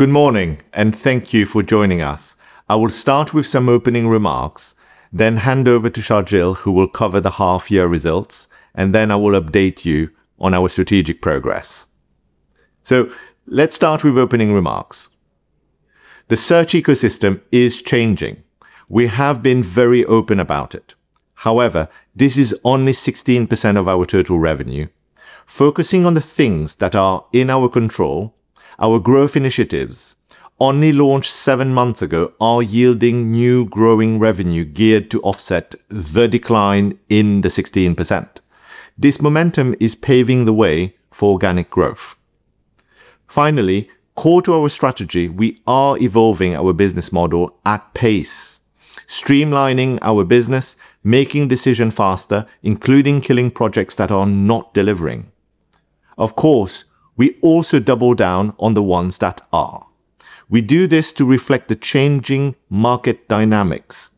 Good morning, and thank you for joining us. I will start with some opening remarks, then hand over to Sharjeel, who will cover the half year results, and then I will update you on our strategic progress. Let's start with opening remarks. The search ecosystem is changing. We have been very open about it. However, this is only 16% of our total revenue. Focusing on the things that are in our control, our growth initiatives, only launched seven months ago, are yielding new growing revenue geared to offset the decline in the 16%. This momentum is paving the way for organic growth. Finally, core to our strategy, we are evolving our business model at pace, streamlining our business, making decision faster, including killing projects that are not delivering. Of course, we also double down on the ones that are. We do this to reflect the changing market dynamics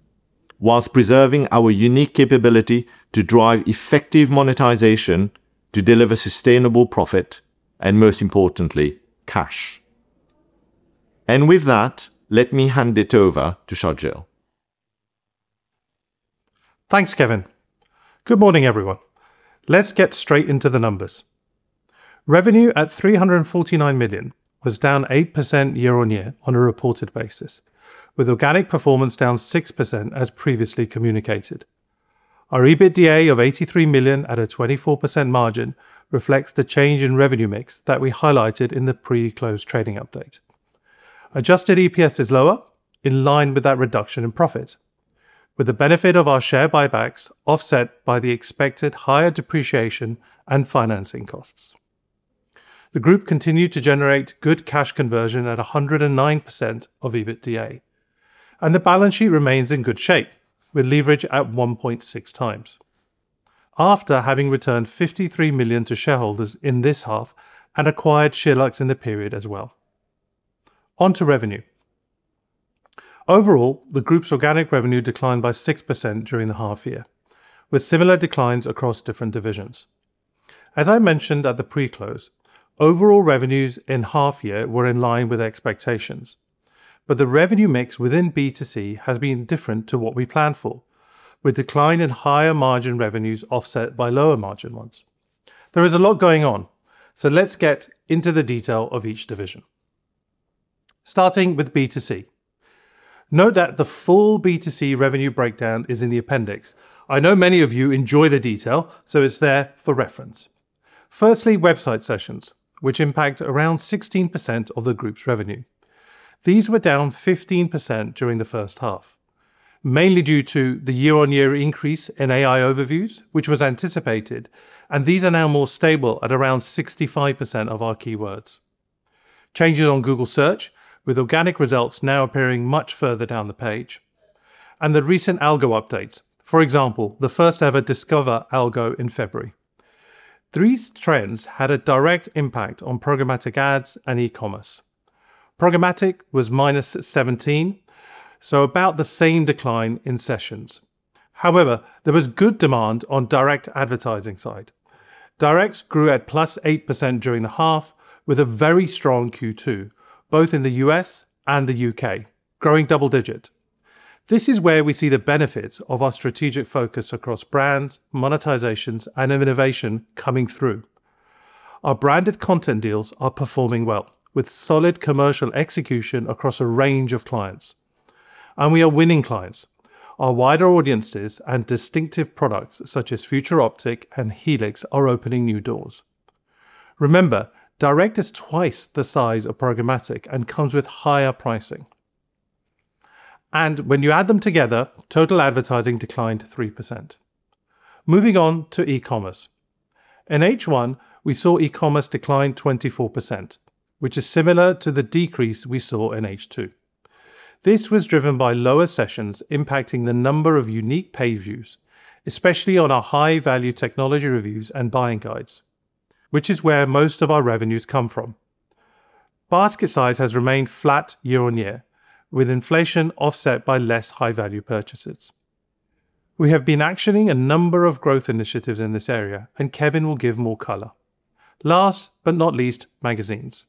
while preserving our unique capability to drive effective monetization to deliver sustainable profit and, most importantly, cash. With that, let me hand it over to Sharjeel. Thanks, Kevin. Good morning, everyone. Let's get straight into the numbers. Revenue at 349 million was down 8% year-on-year on a reported basis, with organic performance down 6% as previously communicated. Our EBITDA of 83 million at a 24% margin reflects the change in revenue mix that we highlighted in the pre-close trading update. Adjusted EPS is lower, in line with that reduction in profit, with the benefit of our share buybacks offset by the expected higher depreciation and financing costs. The group continued to generate good cash conversion at 109% of EBITDA, and the balance sheet remains in good shape with leverage at 1.6x after having returned 53 million to shareholders in this half and acquired SheerLuxe in the period as well. On to revenue. Overall, the group's organic revenue declined by 6% during the half year, with similar declines across different divisions. As I mentioned at the pre-close, overall revenues in half year were in line with expectations, but the revenue mix within B2C has been different to what we planned for, with decline in higher margin revenues offset by lower margin ones. There is a lot going on, so let's get into the detail of each division. Starting with B2C. Note that the full B2C revenue breakdown is in the appendix. I know many of you enjoy the detail, so it's there for reference. Firstly, website sessions, which impact around 16% of the group's revenue. These were down 15% during the first half, mainly due to the year-on-year increase in AI Overviews, which was anticipated, and these are now more stable at around 65% of our keywords, changes on Google Search, with organic results now appearing much further down the page, and the recent algo updates, for example, the first ever Discover algo in February. These trends had a direct impact on programmatic ads and e-commerce. Programmatic was -17, so about the same decline in sessions. However, there was good demand on direct advertising side. Direct grew at +8% during the half with a very strong Q2, both in the U.S. and the U.K., growing double digit. This is where we see the benefits of our strategic focus across brands, monetizations, and innovation coming through. Our branded content deals are performing well with solid commercial execution across a range of clients, and we are winning clients. Our wider audiences and distinctive products such as Future Optic and Helix are opening new doors. Remember, direct is twice the size of programmatic and comes with higher pricing. When you add them together, total advertising declined 3%. Moving on to e-commerce. In H1, we saw e-commerce decline 24%, which is similar to the decrease we saw in H2. This was driven by lower sessions impacting the number of unique page views, especially on our high value technology reviews and buying guides, which is where most of our revenues come from. Basket size has remained flat year-on-year with inflation offset by less high value purchases. We have been actioning a number of growth initiatives in this area, Kevin will give more color. Last but not least, magazines.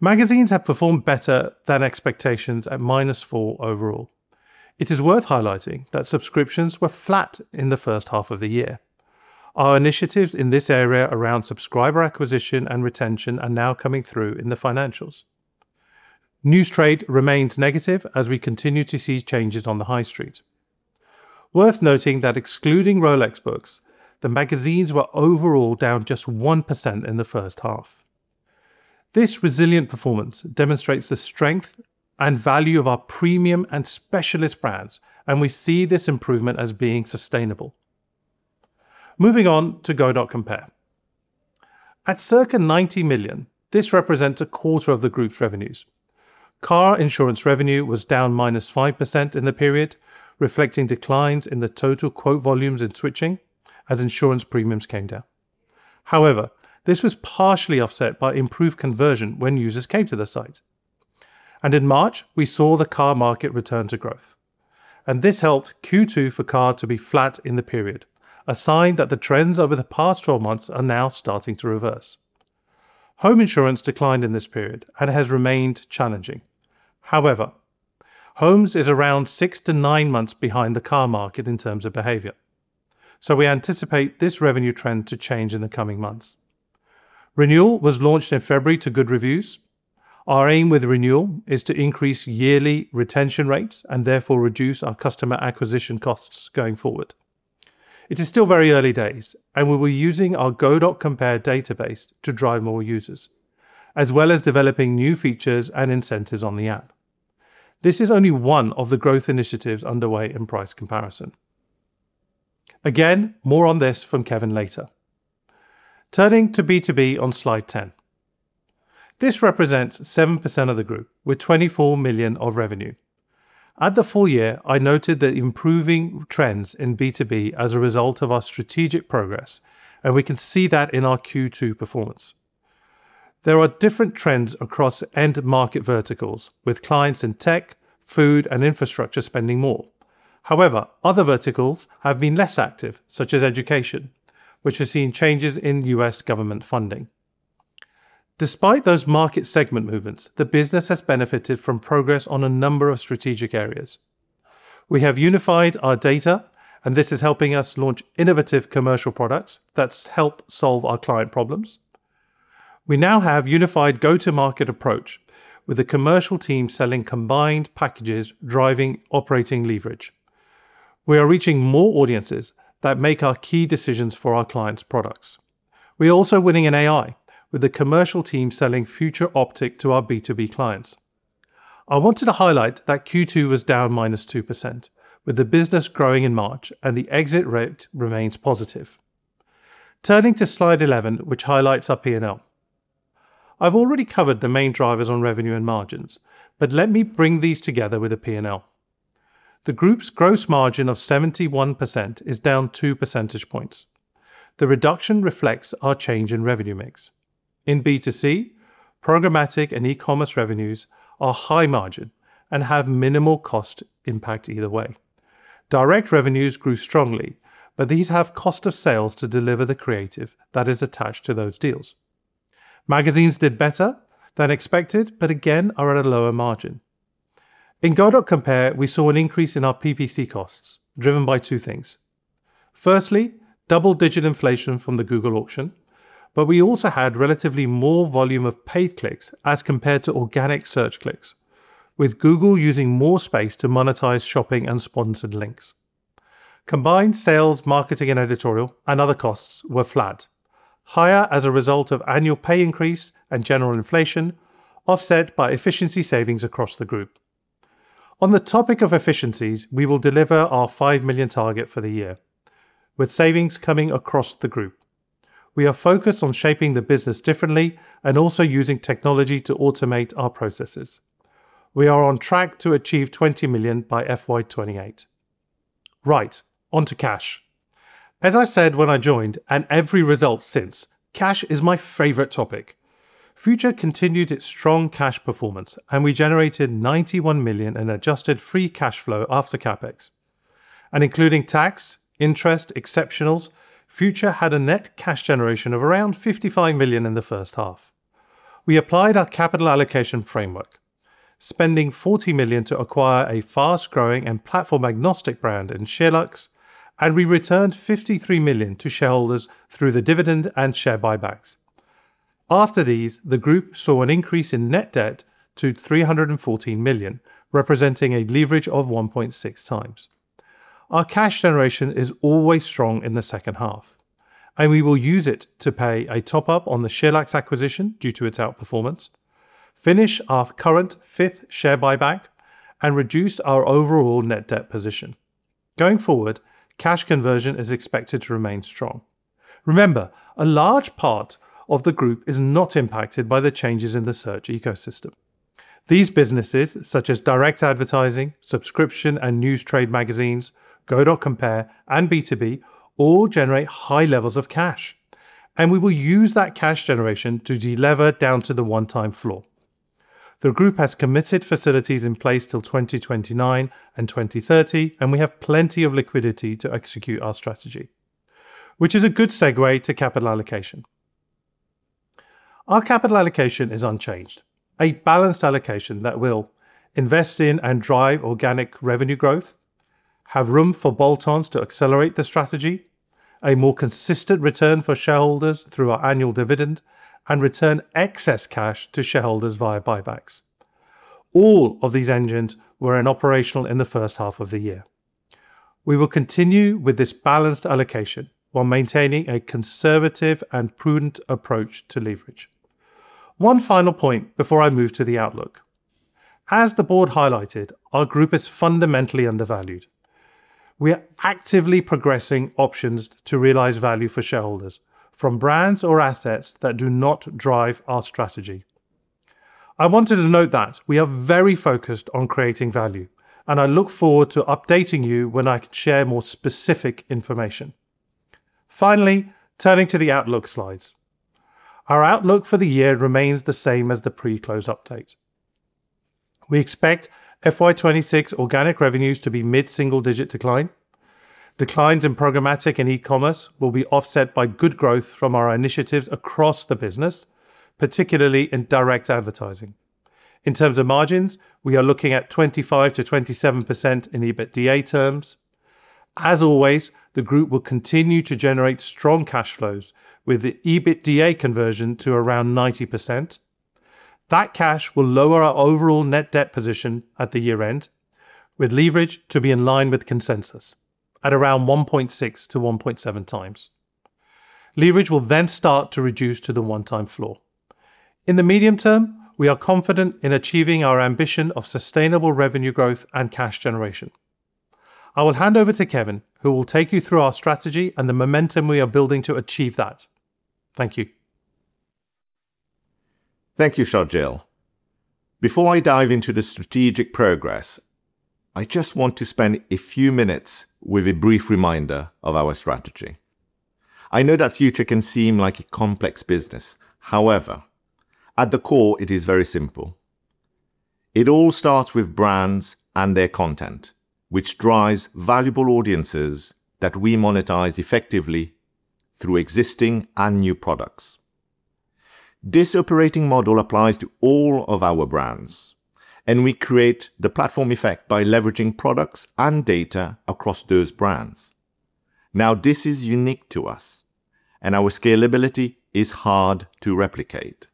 Magazines have performed better than expectations at -4% overall. It is worth highlighting that subscriptions were flat in the first half of the year. Our initiatives in this area around subscriber acquisition and retention are now coming through in the financials. News trade remains negative as we continue to see changes on the high street. Worth noting that excluding Rolex books, the magazines were overall down just 1% in the first half. This resilient performance demonstrates the strength and value of our premium and specialist brands, and we see this improvement as being sustainable. Moving on to Go.Compare. At circa 90 million, this represents a quarter of the group's revenues. Car insurance revenue was down -5% in the period, reflecting declines in the total quote volumes in switching as insurance premiums came down. However, this was partially offset by improved conversion when users came to the site. In March, we saw the car market return to growth, and this helped Q2 for car to be flat in the period, a sign that the trends over the past 12 months are now starting to reverse. Home insurance declined in this period and has remained challenging. Homes is around six to nine months behind the car market in terms of behavior, so we anticipate this revenue trend to change in the coming months. Renewal was launched in February to good reviews. Our aim with Renewal is to increase yearly retention rates and therefore reduce our customer acquisition costs going forward. It is still very early days, and we were using our Go.Compare database to drive more users, as well as developing new features and incentives on the app. This is only one of the growth initiatives underway in price comparison. Again, more on this from Kevin later. Turning to B2B on slide 10. This represents 7% of the group with 24 million of revenue. At the full year, I noted the improving trends in B2B as a result of our strategic progress, and we can see that in our Q2 performance. There are different trends across end market verticals with clients in tech, food and infrastructure spending more. However, other verticals have been less active, such as education, which has seen changes in U.S. government funding. Despite those market segment movements, the business has benefited from progress on a number of strategic areas. We have unified our data, and this is helping us launch innovative commercial products that help solve our client problems. We now have unified go-to-market approach with the commercial team selling combined packages, driving operating leverage. We are reaching more audiences that make our key decisions for our clients products. We are also winning in AI with the commercial team selling Future Optic to our B2B clients. I wanted to highlight that Q2 was down -2% with the business growing in March and the exit rate remains positive. Turning to slide 11, which highlights our P&L. I've already covered the main drivers on revenue and margins, but let me bring these together with a P&L. The group's gross margin of 71% is down 2 percentage points. The reduction reflects our change in revenue mix. In B2C, programmatic and e-commerce revenues are high margin and have minimal cost impact either way. Direct revenues grew strongly. These have cost of sales to deliver the creative that is attached to those deals. Magazines did better than expected. Again are at a lower margin. In Go.Compare, we saw an increase in our PPC costs driven by two things. Firstly, double-digit inflation from the Google auction, but we also had relatively more volume of paid clicks as compared to organic search clicks, with Google using more space to monetize shopping and sponsored links. Combined sales, marketing and editorial and other costs were flat, higher as a result of annual pay increase and general inflation, offset by efficiency savings across the group. On the topic of efficiencies, we will deliver our 5 million target for the year with savings coming across the group. We are focused on shaping the business differently and also using technology to automate our processes. We are on track to achieve 20 million by FY 2028. Right. Onto cash. As I said when I joined and every result since, cash is my favorite topic. Future continued its strong cash performance. We generated 91 million in adjusted free cash flow after CapEx. Including tax, interest, exceptionals, Future had a net cash generation of around 55 million in the first half. We applied our capital allocation framework, spending 40 million to acquire a fast growing and platform agnostic brand in SheerLuxe. We returned 53 million to shareholders through the dividend and share buybacks. After these, the group saw an increase in net debt to 314 million, representing a leverage of 1.6x. Our cash generation is always strong in the second half. We will use it to pay a top up on the SheerLuxe acquisition due to its outperformance, finish our current fifth share buyback and reduce our overall net debt position. Going forward, cash conversion is expected to remain strong. Remember, a large part of the group is not impacted by the changes in the search ecosystem. These businesses, such as direct advertising, subscription and news trade magazines, Go.Compare and B2B all generate high levels of cash. We will use that cash generation to delever down to the 1x floor. The group has committed facilities in place till 2029 and 2030. We have plenty of liquidity to execute our strategy, which is a good segue to capital allocation. Our capital allocation is unchanged. A balanced allocation that will invest in and drive organic revenue growth, have room for bolt-ons to accelerate the strategy, a more consistent return for shareholders through our annual dividend and return excess cash to shareholders via buybacks. All of these engines were in operational in the first half of the year. We will continue with this balanced allocation while maintaining a conservative and prudent approach to leverage. One final point before I move to the outlook. As the board highlighted, our group is fundamentally undervalued. We are actively progressing options to realize value for shareholders from brands or assets that do not drive our strategy. I wanted to note that we are very focused on creating value, and I look forward to updating you when I can share more specific information. Finally, turning to the outlook slides. Our outlook for the year remains the same as the pre-close update. We expect FY 2026 organic revenues to be mid-single-digit decline. Declines in programmatic and e-commerce will be offset by good growth from our initiatives across the business, particularly in direct advertising. In terms of margins, we are looking at 25%-27% in EBITDA terms. As always, the group will continue to generate strong cash flows with the EBITDA conversion to around 90%. That cash will lower our overall net debt position at the year-end, with leverage to be in line with consensus at around 1.6x-1.7x. Leverage will start to reduce to the one-time floor. In the medium term, we are confident in achieving our ambition of sustainable revenue growth and cash generation. I will hand over to Kevin, who will take you through our strategy and the momentum we are building to achieve that. Thank you. Thank you, Sharjeel. Before I dive into the strategic progress, I just want to spend a few minutes with a brief reminder of our strategy. I know that Future can seem like a complex business. At the core it is very simple. It all starts with brands and their content, which drives valuable audiences that we monetize effectively through existing and new products. This operating model applies to all of our brands. We create the platform effect by leveraging products and data across those brands. This is unique to us and our scalability is hard to replicate.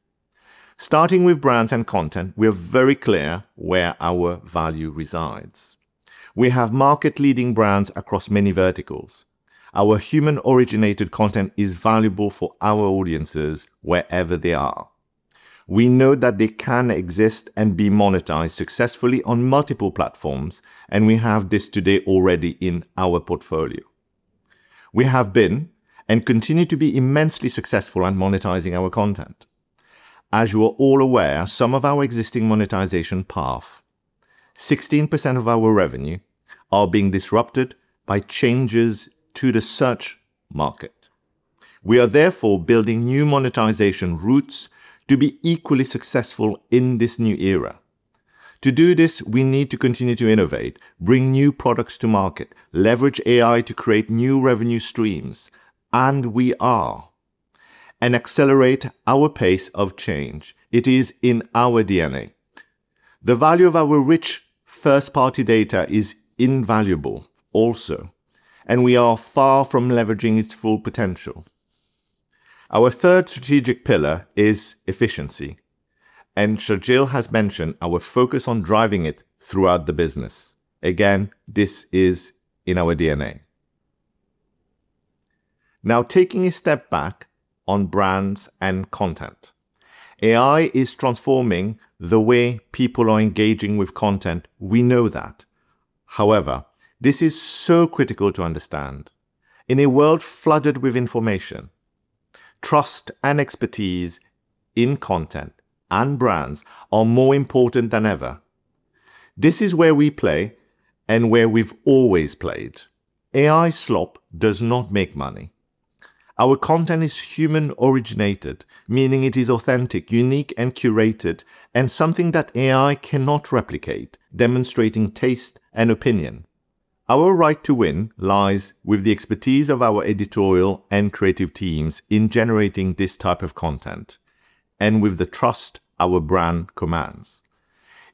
Starting with brands and content, we are very clear where our value resides. We have market leading brands across many verticals. Our human originated content is valuable for our audiences wherever they are. We know that they can exist and be monetized successfully on multiple platforms, and we have this today already in our portfolio. We have been and continue to be immensely successful at monetizing our content. As you are all aware, some of our existing monetization paths, 16% of our revenue are being disrupted by changes to the search market. We are therefore building new monetization routes to be equally successful in this new era. To do this, we need to continue to innovate, bring new products to market, leverage AI to create new revenue streams, we are, and accelerate our pace of change. It is in our DNA. The value of our rich first party data is invaluable also, we are far from leveraging its full potential. Our third strategic pillar is efficiency, Sharjeel has mentioned our focus on driving it throughout the business. Again, this is in our DNA. Taking a step back on brands and content. AI is transforming the way people are engaging with content. We know that. This is so critical to understand. In a world flooded with information, trust and expertise in content and brands are more important than ever. This is where we play and where we've always played. AI slop does not make money. Our content is human originated, meaning it is authentic, unique and curated, and something that AI cannot replicate, demonstrating taste and opinion. Our right to win lies with the expertise of our editorial and creative teams in generating this type of content, and with the trust our brand commands.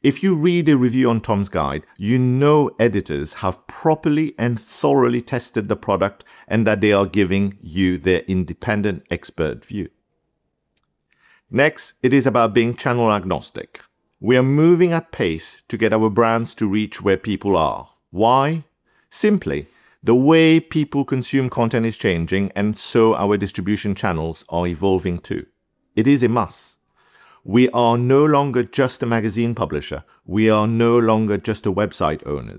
If you read a review on Tom's Guide, you know editors have properly and thoroughly tested the product and that they are giving you their independent expert view. It is about being channel agnostic. We are moving at pace to get our brands to reach where people are. Why? Simply, the way people consume content is changing, our distribution channels are evolving too. It is a must. We are no longer just a magazine publisher. We are no longer just a website owner.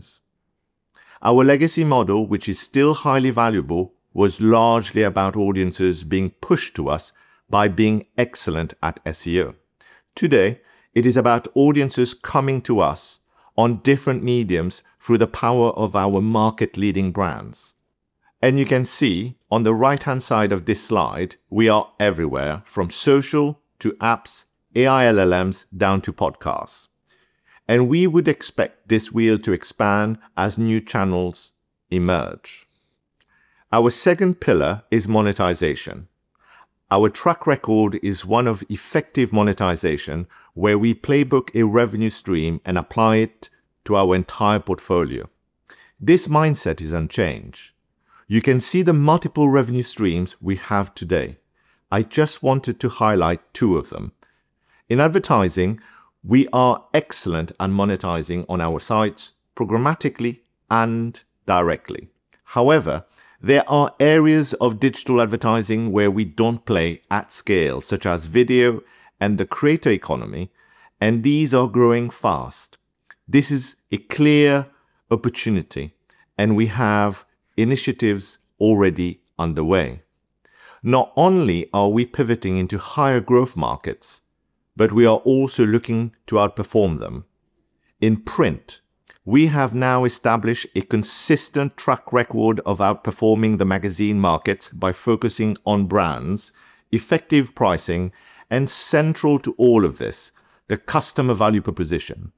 Our legacy model, which is still highly valuable, was largely about audiences being pushed to us by being excellent at SEO. Today, it is about audiences coming to us on different mediums through the power of our market leading brands. You can see on the right-hand side of this slide, we are everywhere from social to apps, AI, LLMs, down to podcasts, and we would expect this wheel to expand as new channels emerge. Our second pillar is monetization. Our track record is one of effective monetization where we playbook a revenue stream and apply it to our entire portfolio. This mindset is unchanged. You can see the multiple revenue streams we have today. I just wanted to highlight two of them. In advertising, we are excellent at monetizing on our sites programmatically and directly. However, there are areas of digital advertising where we don't play at scale, such as video and the creator economy, and these are growing fast. This is a clear opportunity and we have initiatives already underway. Not only are we pivoting into higher growth markets, but we are also looking to outperform them. In print, we have now established a consistent track record of outperforming the magazine markets by focusing on brands, effective pricing, and central to all of this, the customer value proposition.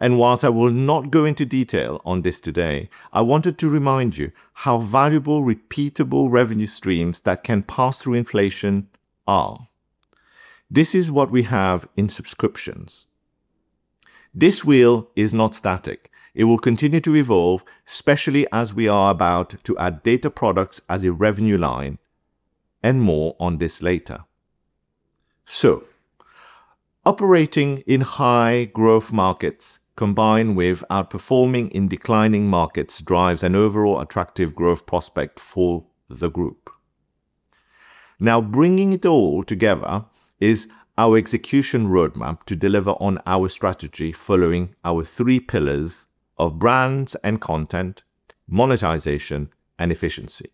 While I will not go into detail on this today, I wanted to remind you how valuable repeatable revenue streams that can pass through inflation are. This is what we have in subscriptions. This wheel is not static. It will continue to evolve, especially as we are about to add data products as a revenue line, and more on this later. Operating in high growth markets combined with outperforming in declining markets drives an overall attractive growth prospect for the group. Bringing it all together is our execution roadmap to deliver on our strategy following our three pillars of brands and content, monetization, and efficiency.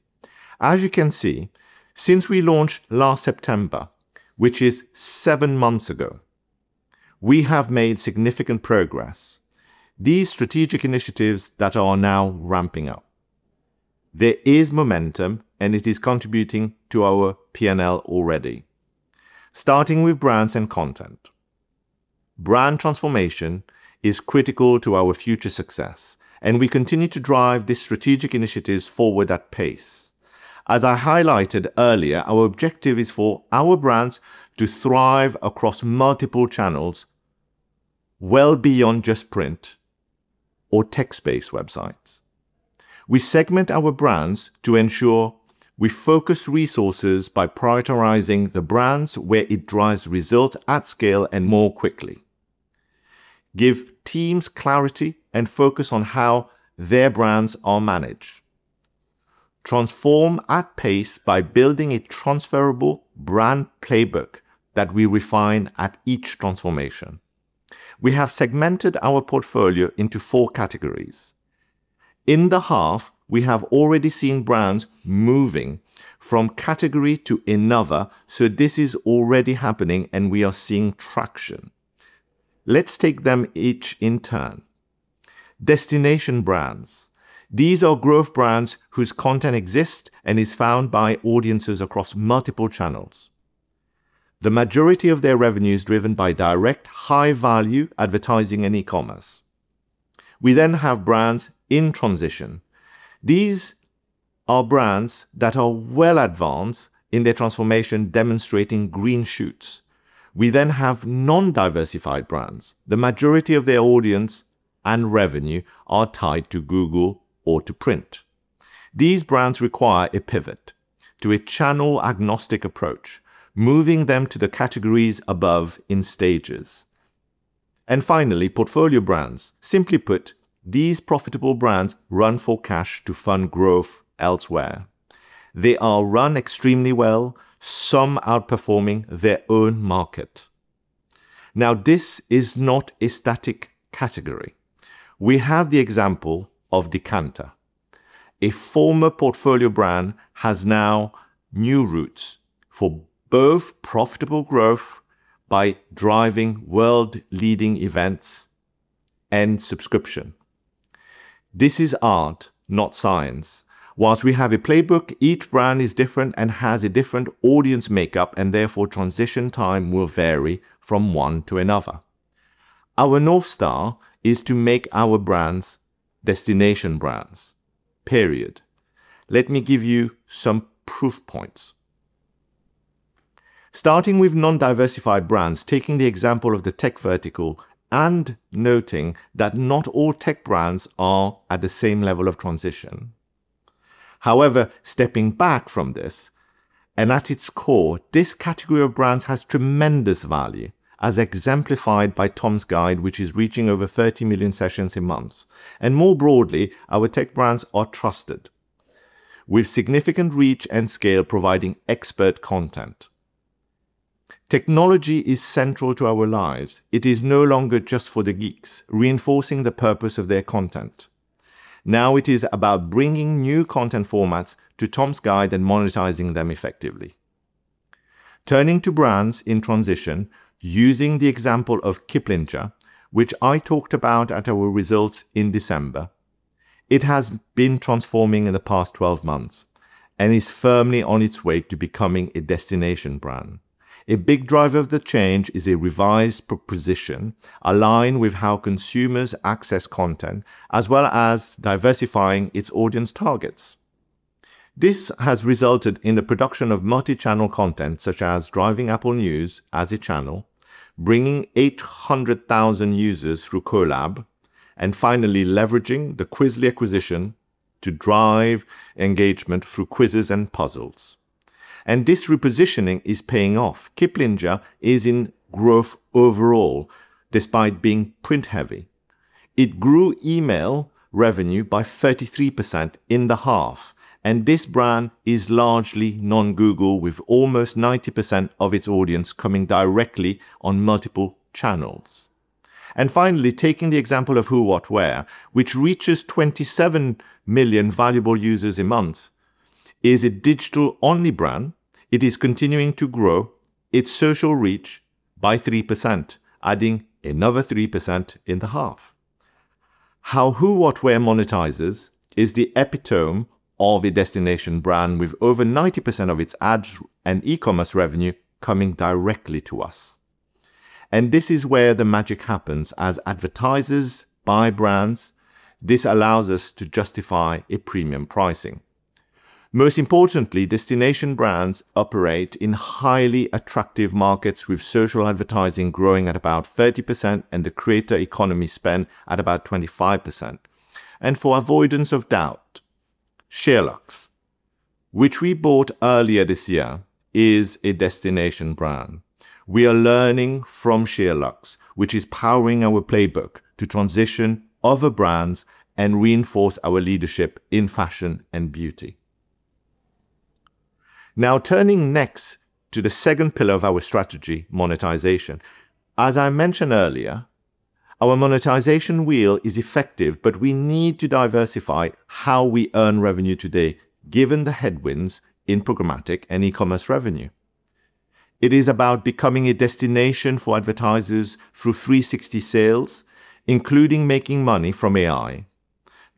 As you can see, since we launched last September, which is seven months ago, we have made significant progress. These strategic initiatives that are now ramping up, there is momentum, and it is contributing to our P&L already. Starting with brands and content. Brand transformation is critical to our future success, and we continue to drive these strategic initiatives forward at pace. As I highlighted earlier, our objective is for our brands to thrive across multiple channels, well beyond just print or tech space websites. We segment our brands to ensure we focus resources by prioritizing the brands where it drives results at scale and more quickly, give teams clarity and focus on how their brands are managed, transform at pace by building a transferable brand playbook that we refine at each transformation. We have segmented our portfolio into four categories. In the half, we have already seen brands moving from category to another, so this is already happening, and we are seeing traction. Let's take them each in turn. Destination brands. These are growth brands whose content exists and is found by audiences across multiple channels. The majority of their revenue is driven by direct high-value advertising and e-commerce. We have brands in transition. These are brands that are well advanced in their transformation, demonstrating green shoots. We have non-diversified brands. The majority of their audience and revenue are tied to Google or to print. These brands require a pivot to a channel-agnostic approach, moving them to the categories above in stages. Finally, portfolio brands. Simply put, these profitable brands run for cash to fund growth elsewhere. They are run extremely well, some outperforming their own market. This is not a static category. We have the example of Decanter. A former portfolio brand has now new routes for both profitable growth by driving world-leading events and subscription. This is art, not science. Whilst we have a playbook, each brand is different and has a different audience makeup, and therefore transition time will vary from one to another. Our North Star is to make our brands destination brands, period. Let me give you some proof points. Starting with non-diversified brands, taking the example of the tech vertical and noting that not all tech brands are at the same level of transition. However, stepping back from this, and at its core, this category of brands has tremendous value, as exemplified by Tom's Guide, which is reaching over 30 million sessions a month. More broadly, our tech brands are trusted with significant reach and scale providing expert content. Technology is central to our lives. It is no longer just for the geeks, reinforcing the purpose of their content. Now it is about bringing new content formats to Tom's Guide and monetizing them effectively. Turning to brands in transition, using the example of Kiplinger, which I talked about at our results in December, it has been transforming in the past 12 months and is firmly on its way to becoming a destination brand. A big driver of the change is a revised proposition aligned with how consumers access content as well as diversifying its audience targets. This has resulted in the production of multi-channel content, such as driving Apple News as a channel, bringing 800,000 users through Collab, and finally leveraging the Kwizly acquisition to drive engagement through quizzes and puzzles. This repositioning is paying off. Kiplinger is in growth overall despite being print-heavy. It grew email revenue by 33% in the half, this brand is largely non-Google, with almost 90% of its audience coming directly on multiple channels. Finally, taking the example of Who What Wear, which reaches 27 million valuable users a month. It is a digital-only brand, it is continuing to grow its social reach by 3%, adding another 3% in the half. How Who What Wear monetizes is the epitome of a destination brand with over 90% of its ads and e-commerce revenue coming directly to us. This is where the magic happens as advertisers buy brands, this allows us to justify a premium pricing. Most importantly, destination brands operate in highly attractive markets with social advertising growing at about 30% and the creator economy spend at about 25%. For avoidance of doubt, SheerLuxe, which we bought earlier this year, is a destination brand. We are learning from SheerLuxe, which is powering our playbook to transition other brands and reinforce our leadership in fashion and beauty. Turning next to the second pillar of our strategy, Monetization. As I mentioned earlier, our monetization wheel is effective, we need to diversify how we earn revenue today, given the headwinds in programmatic and e-commerce revenue. It is about becoming a destination for advertisers through 360 sales, including making money from AI,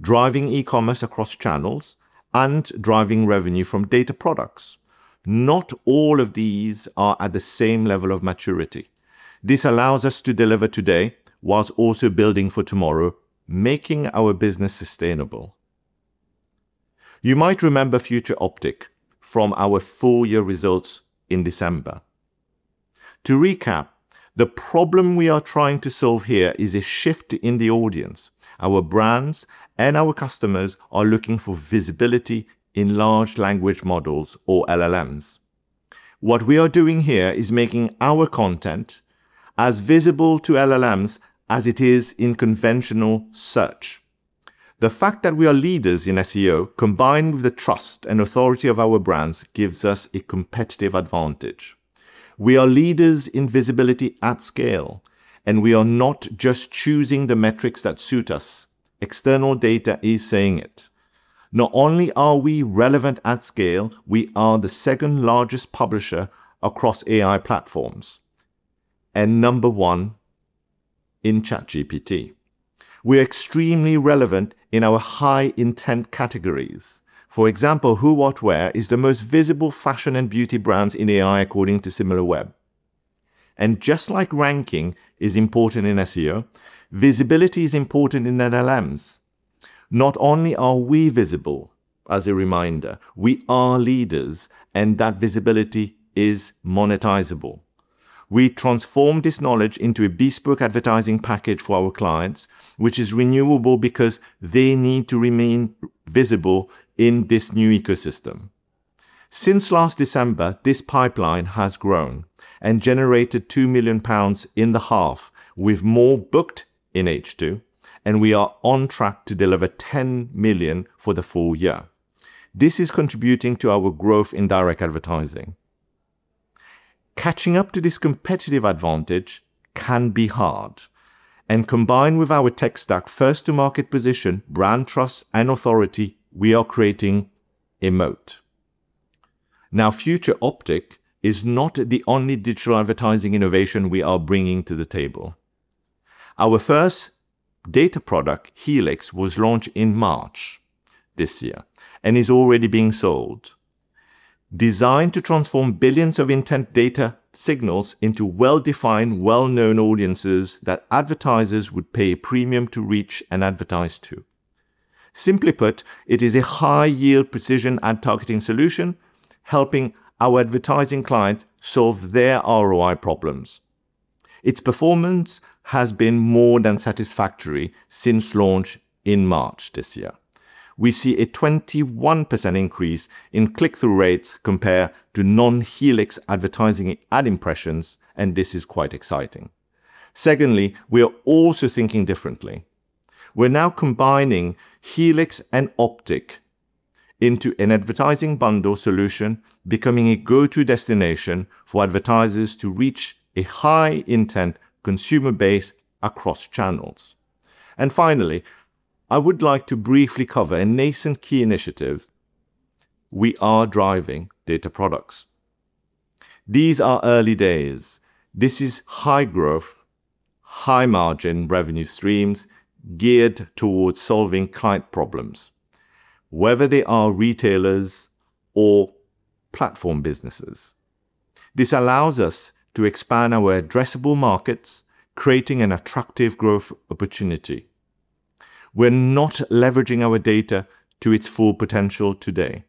driving e-commerce across channels, and driving revenue from data products. Not all of these are at the same level of maturity. This allows us to deliver today while also building for tomorrow, making our business sustainable. You might remember Future Optic from our full year results in December. To recap, the problem we are trying to solve here is a shift in the audience. Our brands and our customers are looking for visibility in large language models or LLMs. What we are doing here is making our content as visible to LLMs as it is in conventional search. The fact that we are leaders in SEO, combined with the trust and authority of our brands, gives us a competitive advantage. We are leaders in visibility at scale. We are not just choosing the metrics that suit us. External data is saying it. Not only are we relevant at scale, we are the second largest publisher across AI platforms and number one in ChatGPT. We are extremely relevant in our high intent categories. For example, Who What Wear is the most visible fashion and beauty brands in AI according to Similarweb. Just like ranking is important in SEO, visibility is important in LLMs. Not only are we visible as a reminder, we are leaders and that visibility is monetizable. We transform this knowledge into a bespoke advertising package for our clients, which is renewable because they need to remain visible in this new ecosystem. Since last December, this pipeline has grown and generated 2 million pounds in the half with more booked in H2. We are on track to deliver 10 million for the full year. This is contributing to our growth in direct advertising. Catching up to this competitive advantage can be hard. Combined with our tech stack first to market position, brand trust and authority, we are creating a moat. Future Optic is not the only digital advertising innovation we are bringing to the table. Our first data product, Helix, was launched in March this year. It is already being sold. Designed to transform billions of intent data signals into well-defined, well-known audiences that advertisers would pay a premium to reach and advertise to. Simply put, it is a high yield precision ad targeting solution, helping our advertising clients solve their ROI problems. Its performance has been more than satisfactory since launch in March this year. We see a 21% increase in click through rates compared to non-Helix advertising ad impressions. This is quite exciting. Secondly, we are also thinking differently. We're now combining Helix and Optic into an advertising bundle solution, becoming a go-to destination for advertisers to reach a high intent consumer base across channels. Finally, I would like to briefly cover a nascent key initiative. We are driving data products. These are early days. This is high growth, high margin revenue streams geared towards solving client problems, whether they are retailers or platform businesses. This allows us to expand our addressable markets, creating an attractive growth opportunity. We're not leveraging our data to its full potential today,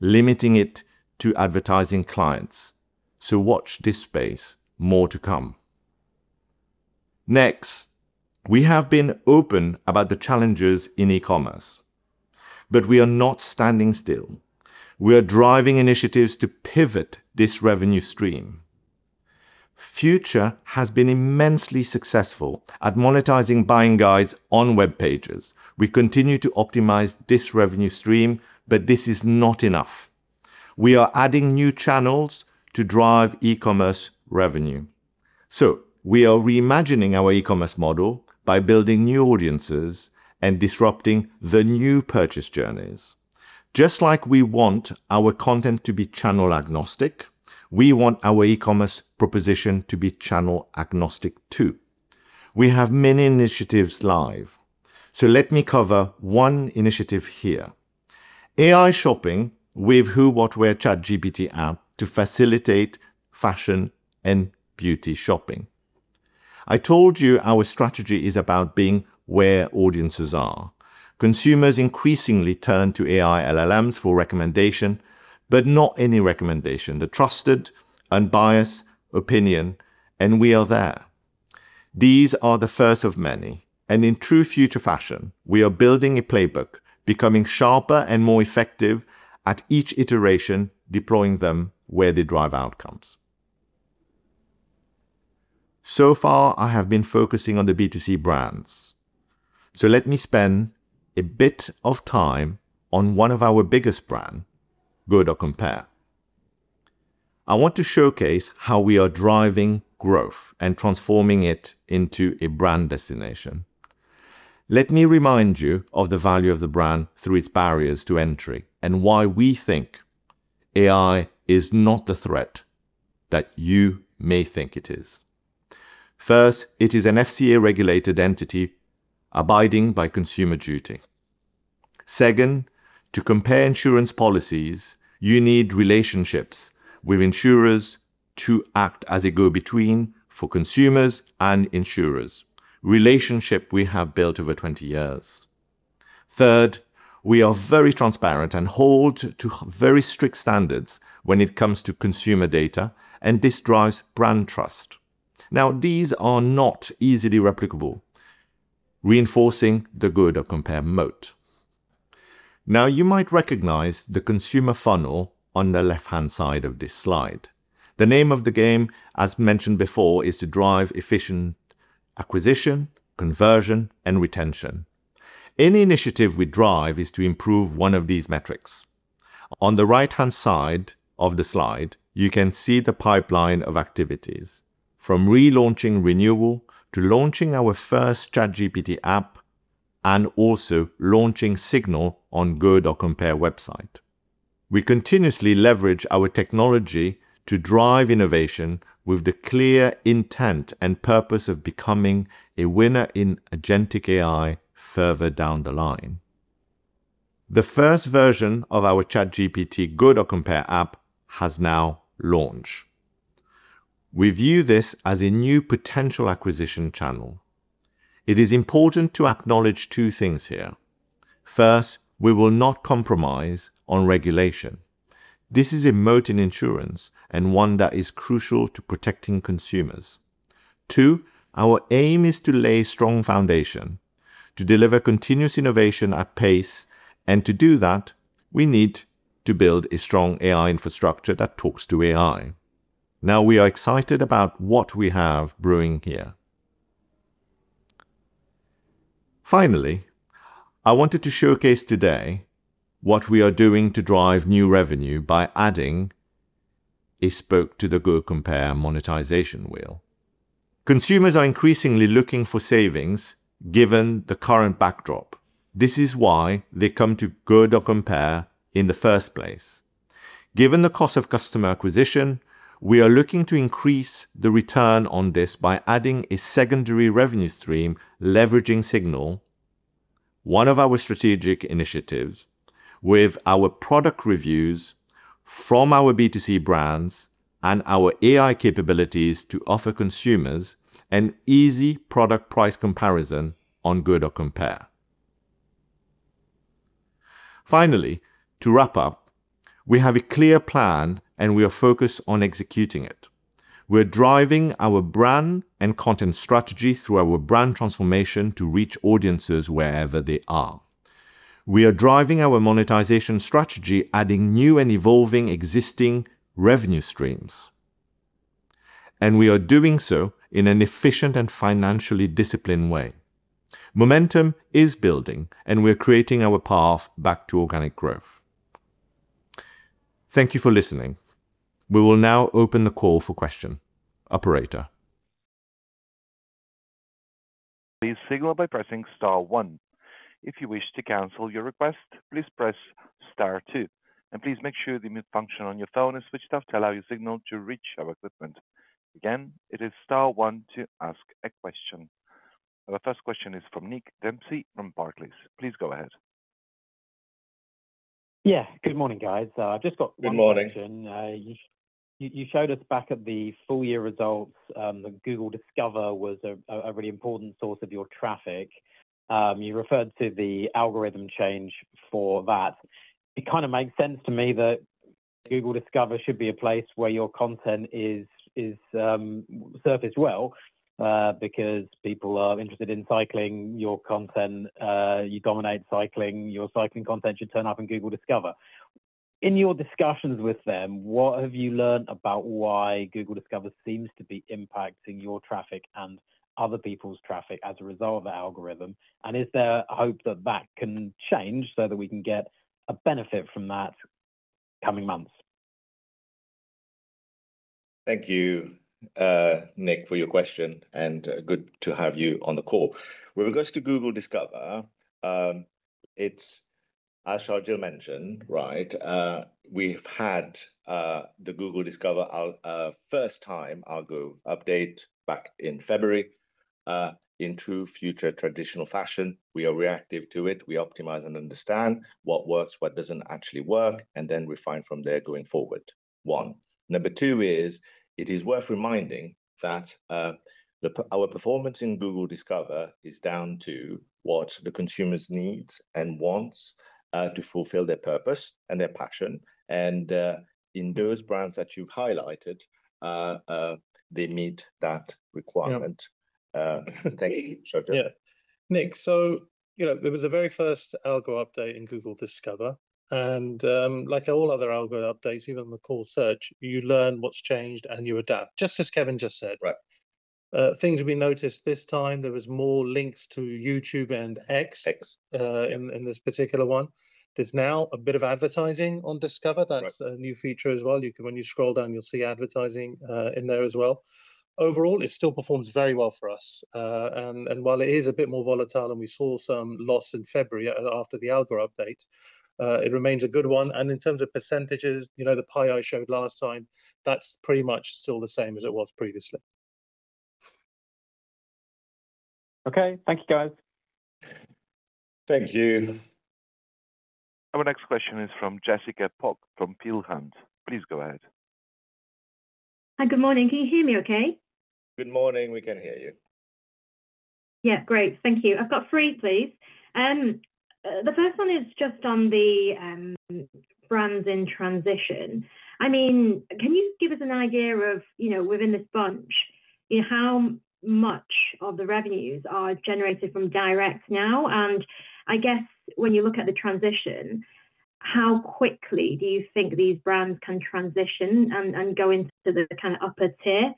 limiting it to advertising clients. Watch this space. More to come. We have been open about the challenges in e-commerce, but we are not standing still. We are driving initiatives to pivot this revenue stream. Future has been immensely successful at monetizing buying guides on web pages. We continue to optimize this revenue stream, but this is not enough. We are adding new channels to drive e-commerce revenue. We are reimagining our e-commerce model by building new audiences and disrupting the new purchase journeys. Just like we want our content to be channel agnostic, we want our e-commerce proposition to be channel agnostic too. We have many initiatives live, so let me cover one initiative here. AI shopping with Who What Wear ChatGPT app to facilitate fashion and beauty shopping. I told you our strategy is about being where audiences are. Consumers increasingly turn to AI LLMs for recommendation, but not any recommendation, the trusted unbiased opinion, and we are there. These are the first of many, and in true Future fashion, we are building a playbook, becoming sharper and more effective at each iteration, deploying them where they drive outcomes. So far, I have been focusing on the B2C brands. Let me spend a bit of time on one of our biggest brand, Go.Compare. I want to showcase how we are driving growth and transforming it into a brand destination. Let me remind you of the value of the brand through its barriers to entry and why we think AI is not the threat that you may think it is. First, it is an FCA regulated entity abiding by Consumer Duty. Second, to compare insurance policies, you need relationships with insurers to act as a go-between for consumers and insurers. Relationship we have built over 20 years. Third, we are very transparent and hold to very strict standards when it comes to consumer data. This drives brand trust. Now, these are not easily replicable, reinforcing the Go.Compare moat. Now, you might recognize the consumer funnel on the left-hand side of this slide. The name of the game, as mentioned before, is to drive efficient acquisition, conversion and retention. Any initiative we drive is to improve one of these metrics. On the right-hand side of the slide, you can see the pipeline of activities from relaunching Renewal to launching our first ChatGPT app and also launching Signal on Go.Compare website. We continuously leverage our technology to drive innovation with the clear intent and purpose of becoming a winner in agentic AI further down the line. The first version of our ChatGPT Go.Compare app has now launched. We view this as a new potential acquisition channel. It is important to acknowledge two things here. First, we will not compromise on regulation. This is a moat in insurance and one that is crucial to protecting consumers. Two, our aim is to lay strong foundation, to deliver continuous innovation at pace. To do that, we need to build a strong AI infrastructure that talks to AI. Now we are excited about what we have brewing here. Finally, I wanted to showcase today what we are doing to drive new revenue by adding a spoke to the Go.Compare monetization wheel. Consumers are increasingly looking for savings given the current backdrop. This is why they come to Go.Compare in the first place. Given the cost of customer acquisition, we are looking to increase the return on this by adding a secondary revenue stream leveraging Signal, one of our strategic initiatives, with our product reviews from our B2C brands and our AI capabilities to offer consumers an easy product price comparison on Go.Compare. Finally, to wrap up, we have a clear plan and we are focused on executing it. We're driving our brand and content strategy through our brand transformation to reach audiences wherever they are. We are driving our monetization strategy, adding new and evolving existing revenue streams, and we are doing so in an efficient and financially disciplined way. Momentum is building, and we're creating our path back to organic growth. Thank you for listening. We will now open the call for questions. Operator? Please signal by pressing star one. If you wish to counsel your request please press star two. The first question is from Nick Dempsey from Barclays. Please go ahead. Yeah. Good morning, guys. Good morning. One question. You showed us back at the full year results that Google Discover was a really important source of your traffic. You referred to the algorithm change for that. It kind of makes sense to me that Google Discover should be a place where your content is surfaced well because people are interested in cycling your content. You dominate cycling. Your cycling content should turn up in Google Discover. In your discussions with them, what have you learned about why Google Discover seems to be impacting your traffic and other people's traffic as a result of the algorithm? Is there hope that that can change so that we can get a benefit from that coming months? Thank you, Nick, for your question, and good to have you on the call. With regards to Google Discover, it's as Sharjeel mentioned, right, we've had the Google Discover first time algo update back in February. In true Future traditional fashion, we are reactive to it. We optimize and understand what works, what doesn't actually work, and then refine from there going forward, one. Number two is it is worth reminding that our performance in Google Discover is down to what the consumers needs and wants to fulfill their purpose and their passion. In those brands that you've highlighted, they meet that requirement. Yeah. Thank you, Sharjeel. Yeah. Nick, you know, it was the very first algo update in Google Discover, and like all other algo updates, even the core search, you learn what's changed and you adapt, just as Kevin just said. Right. Things we noticed this time, there was more links to YouTube and X. X In this particular one, there's now a bit of advertising on Discover. Right. That's a new feature as well. When you scroll down you'll see advertising in there as well. Overall, it still performs very well for us. While it is a bit more volatile and we saw some loss in February after the algo update, it remains a good one. In terms of percentages, you know, the pie I showed last time, that's pretty much still the same as it was previously. Okay. Thank you, guys. Thank you. Our next question is from Jessica Pok from Peel Hunt. Please go ahead. Hi. Good morning. Can you hear me okay? Good morning. We can hear you. Yeah. Great. Thank you. I've got three, please. The first one is just on the brands in transition. I mean, can you give us an idea of, you know, within this bunch, you know, how much of the revenues are generated from direct now? I guess when you look at the transition, how quickly do you think these brands can transition and go into the kind of upper tier?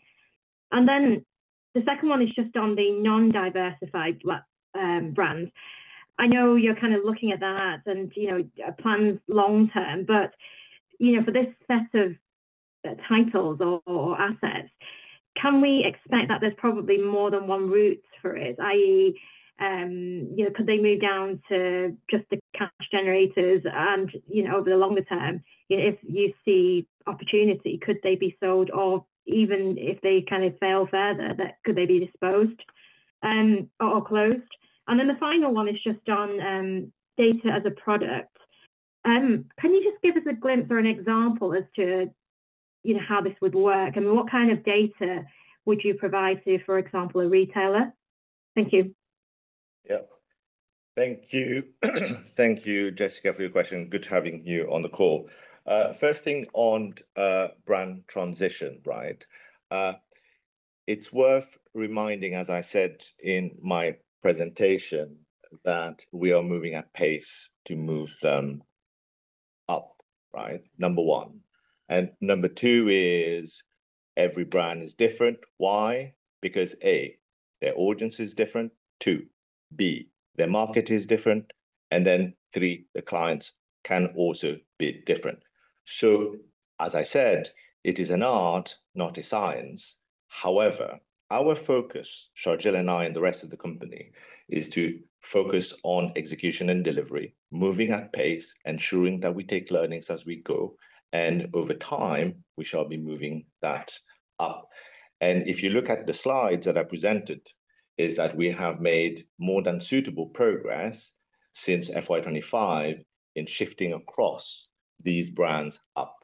The second one is just on the non-diversified brands. I know you're kind of looking at that and, you know, plan long-term but, you know, for this set of titles or assets, can we expect that there's probably more than one route for it? I.e., you know, could they move down to just the cash generators and, you know, over the longer term, you know, if you see opportunity, could they be sold off even if they kind of fail further, that could they be disposed, or closed? The final one is just on data as a product. Can you just give us a glimpse or an example as to, you know, how this would work? I mean, what kind of data would you provide to, for example, a retailer? Thank you. Yeah. Thank you. Thank you, Jessica, for your question. Good having you on the call. First thing on brand transition, right? It's worth reminding, as I said in my presentation, that we are moving at pace to move them up, right? Number one. Number two is every brand is different. Why? Because, A, their audience is different. Two, B, their market is different. Then, three, the clients can also be different. As I said, it is an art, not a science. However, our focus, Sharjeel and I and the rest of the company, is to focus on execution and delivery, moving at pace, ensuring that we take learnings as we go, and over time we shall be moving that up. If you look at the slides that I presented, is that we have made more than suitable progress since FY 2025 in shifting across these brands up.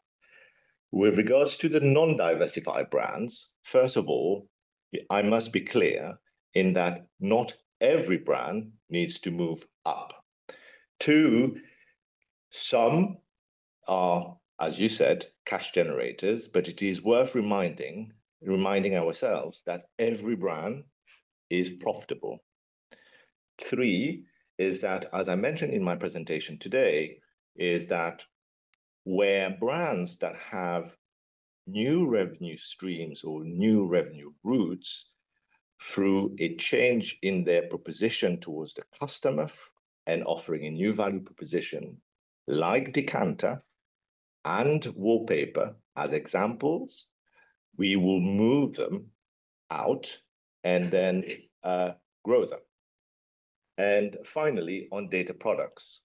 With regards to the non-diversified brands, first of all, I must be clear in that not every brand needs to move up. Two, some are, as you said, cash generators, but it is worth reminding ourselves that every brand is profitable. Three is that, as I mentioned in my presentation today, is that where brands that have new revenue streams or new revenue routes through a change in their proposition towards the customer and offering a new value proposition like Decanter and Wallpaper* as examples, we will move them out and then grow them. Finally, on data products.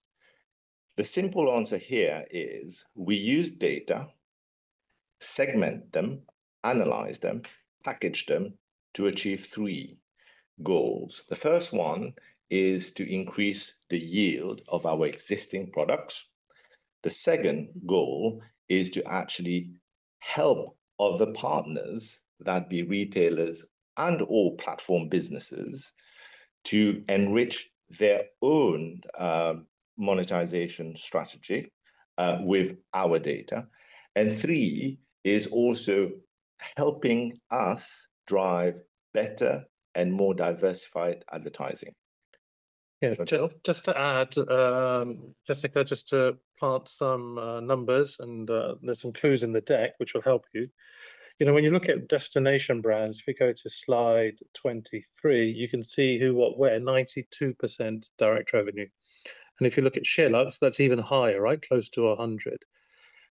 The simple answer here is we use data, segment them, analyze them, package them to achieve three goals. The first one is to increase the yield of our existing products. The second goal is to actually help other partners, that'd be retailers and/or platform businesses, to enrich their own monetization strategy with our data. Three is also helping us drive better and more diversified advertising. Yeah, Sharjeel, just to add, Jessica, just to plant some numbers and there's some clues in the deck which will help you. You know, when you look at destination brands, if you go to slide 23, you can see Who What Wear, 92% direct revenue. If you look at SheerLuxe, that's even higher, right? Close to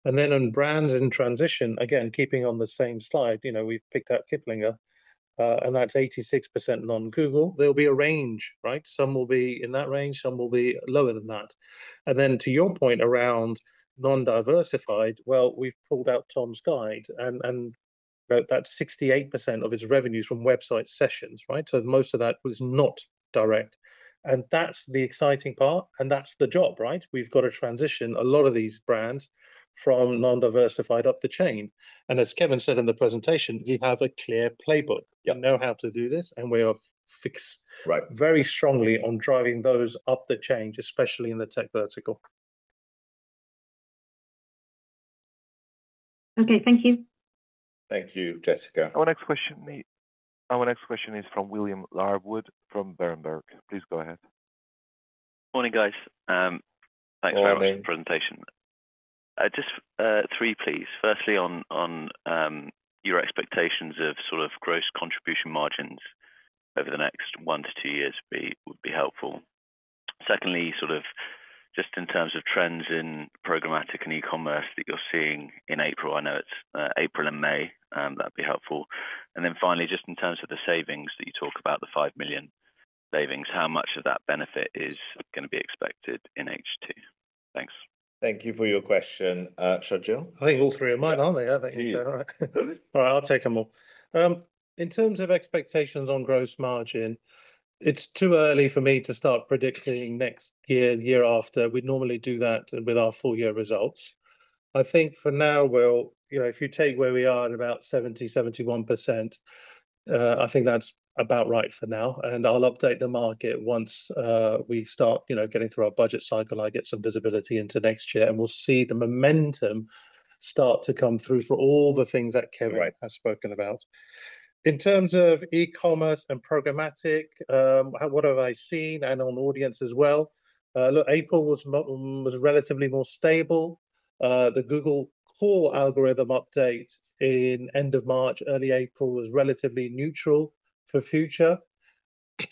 100. On brands in transition, again, keeping on the same slide, you know, we've picked out Kiplinger, and that's 86% non-Google. There'll be a range, right? Some will be in that range, some will be lower than that. To your point around non-diversified, well, we've pulled out Tom's Guide and that's 68% of its revenues from website sessions, right? Most of that was not direct, and that's the exciting part, and that's the job, right? We've got to transition a lot of these brands from non-diversified up the chain. As Kevin said in the presentation, we have a clear playbook. Yeah. We know how to do this, and we are fixed- Right very strongly on driving those up the chain, especially in the tech vertical. Okay. Thank you. Thank you, Jessica. Our next question is from William Larwood from Berenberg. Please go ahead. Morning, guys. Morning Thanks very much for the presentation. Just three, please. Firstly, on your expectations of sort of gross contribution margins over the next one to two years would be helpful. Secondly, just in terms of trends in programmatic and e-commerce that you're seeing in April, I know it's April and May, that'd be helpful. Finally, just in terms of the savings that you talk about, the 5 million savings, how much of that benefit is going to be expected in H2? Thanks. Thank you for your question. Sharjeel? I think all three are mine, aren't they? I think so. Yeah. All right. All right, I'll take them all. In terms of expectations on gross margin, it's too early for me to start predicting next year and the year after. We'd normally do that with our full year results. I think for now we'll, if you take where we are at about 70%-71%, I think that's about right for now, and I'll update the market once we start getting through our budget cycle, I get some visibility into next year, and we'll see the momentum start to come through for all the things that Kevin has spoken about. Right In terms of e-commerce and programmatic, what have I seen, and on audience as well, look, April was relatively more stable. The Google Core Algorithm Update in end of March, early April was relatively neutral for Future.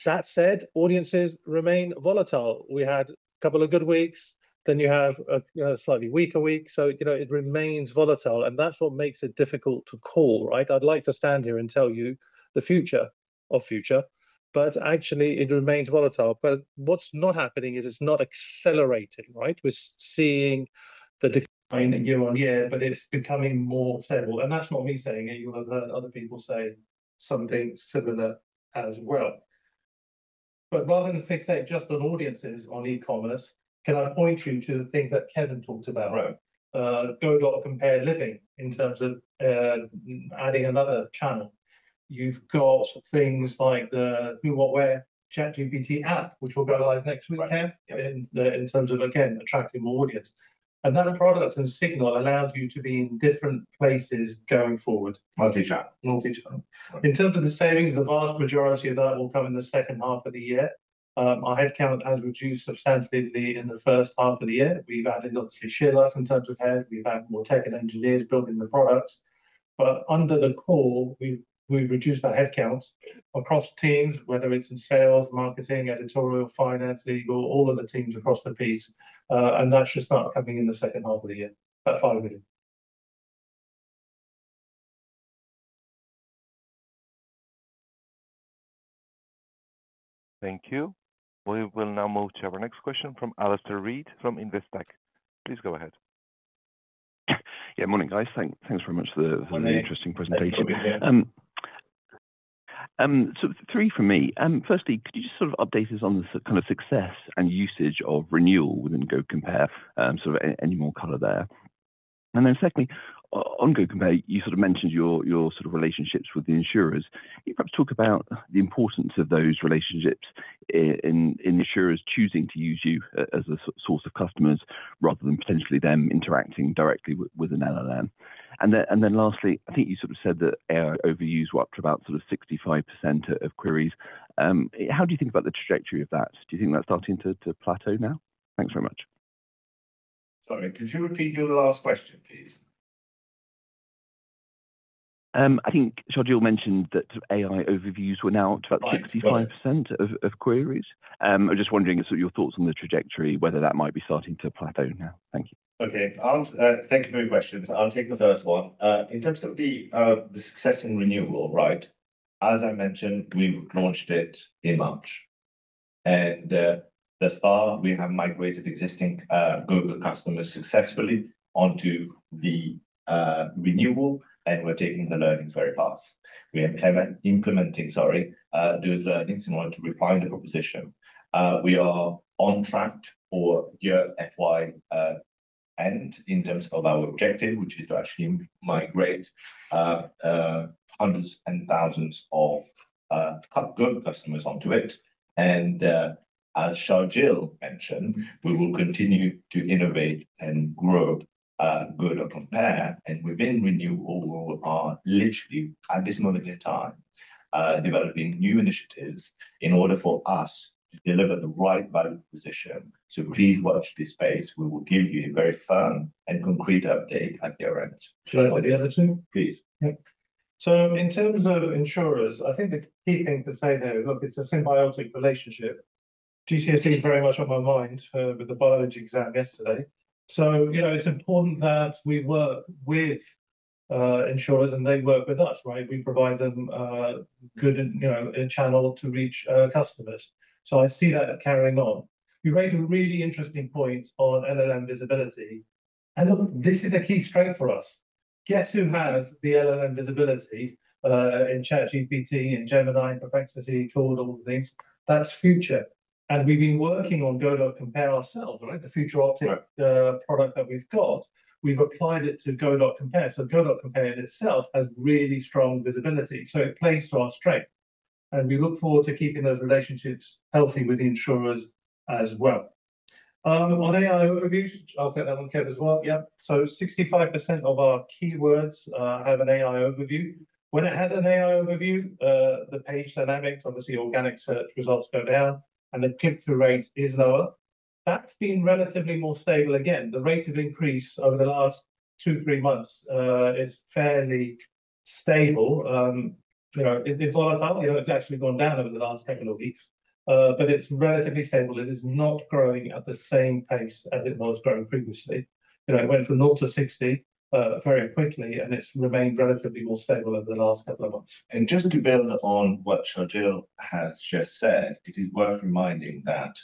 That said, audiences remain volatile. We had a couple of good weeks, then you have a slightly weaker week. It remains volatile, and that's what makes it difficult to call, right? I'd like to stand here and tell you the future of Future, but actually it remains volatile. What's not happening is it's not accelerating, right? We're seeing the decline in year on year, but it's becoming more stable, and that's not me saying it. You will have heard other people say something similar as well. Rather than fixate just on audiences on e-commerce, can I point you to the things that Kevin talked about? Right. Go.Compare Living in terms of adding another channel. You've got things like the Who What Wear ChatGPT app, which will go live next week, Kev? Right. Yeah. In terms of, again, attracting more audience. That product and Signal allows you to be in different places going forward. Multi-channel. Multi-channel. In terms of the savings, the vast majority of that will come in the second half of the year. Our headcount has reduced substantially in the first half of the year. We've added, obviously, SheerLuxe in terms of head. We've added more tech and engineers building the products. Under the core, we've reduced our headcounts across teams, whether it's in sales, marketing, editorial, finance, legal, all of the teams across the piece. That should start coming in the second half of the year, that GBP 5 million. Thank you. We will now move to our next question from Alastair Reid from Investec. Please go ahead. Yeah, morning, guys. Morning Thanks very much for the Interesting presentation. Thanks for being here. Three for me. Firstly, could you just sort of update us on the kind of success and usage of Renewal within Go.Compare? Sort of any more color there. Secondly, on Go.Compare, you sort of mentioned your sort of relationships with the insurers. Can you perhaps talk about the importance of those relationships in insurers choosing to use you as a source of customers rather than potentially them interacting directly with an LLM? Lastly, I think you sort of said that AI Overviews were up to about sort of 65% of queries. How do you think about the trajectory of that? Do you think that's starting to plateau now? Thanks very much. Sorry, could you repeat your last question, please? I think Sharjeel mentioned that AI Overviews were now up to about 65% of queries. Right. Got it. I'm just wondering sort of your thoughts on the trajectory, whether that might be starting to plateau now. Thank you. Okay. I'll thank you for your questions. I'll take the first one. In terms of the success in Renewal, right? As I mentioned, we've launched it in March. Thus far we have migrated existing Google customers successfully onto the Renewal, and we're taking the learnings very fast. We are implementing, sorry, those learnings in order to refine the proposition. We are on track for year FY end in terms of our objective, which is to actually migrate hundreds and thousands of Google customers onto it. As Sharjeel mentioned, we will continue to innovate and grow Go.Compare, and within Renewal we are literally, at this moment in time, developing new initiatives in order for us to deliver the right value proposition. Please watch this space. We will give you a very firm and concrete update at year end. Shall I take the other two? Please. Yep. In terms of insurers, I think the key thing to say there, look, it's a symbiotic relationship. GCSE is very much on my mind with the biology exam yesterday. You know, it's important that we work with insurers and they work with us, right? We provide them a good, you know, a channel to reach customers. I see that carrying on. You raise a really interesting point on LLM visibility, and look, this is a key strength for us. Guess who has the LLM visibility in ChatGPT, in Gemini, in Perplexity, Claude, all the things? That's Future. We've been working on Go.Compare ourselves, right? Correct The Future Optic product that we've got, we've applied it to Go.Compare. Go.Compare in itself has really strong visibility, so it plays to our strength. We look forward to keeping those relationships healthy with the insurers as well. On AI Overviews, I'll take that one, Kevin, as well. Yeah. 65% of our keywords have an AI Overview. When it has an AI Overview, the page dynamics, obviously organic search results go down, and the click-through rate is lower. That's been relatively more stable again. The rate of increase over the last two to three months is fairly stable. You know, it volatility, it's actually gone down over the last couple of weeks, but it's relatively stable. It is not growing at the same pace as it was growing previously. You know, it went from 0-60, very quickly, and it's remained relatively more stable over the last two months. Just to build on what Sharjeel has just said, it is worth reminding that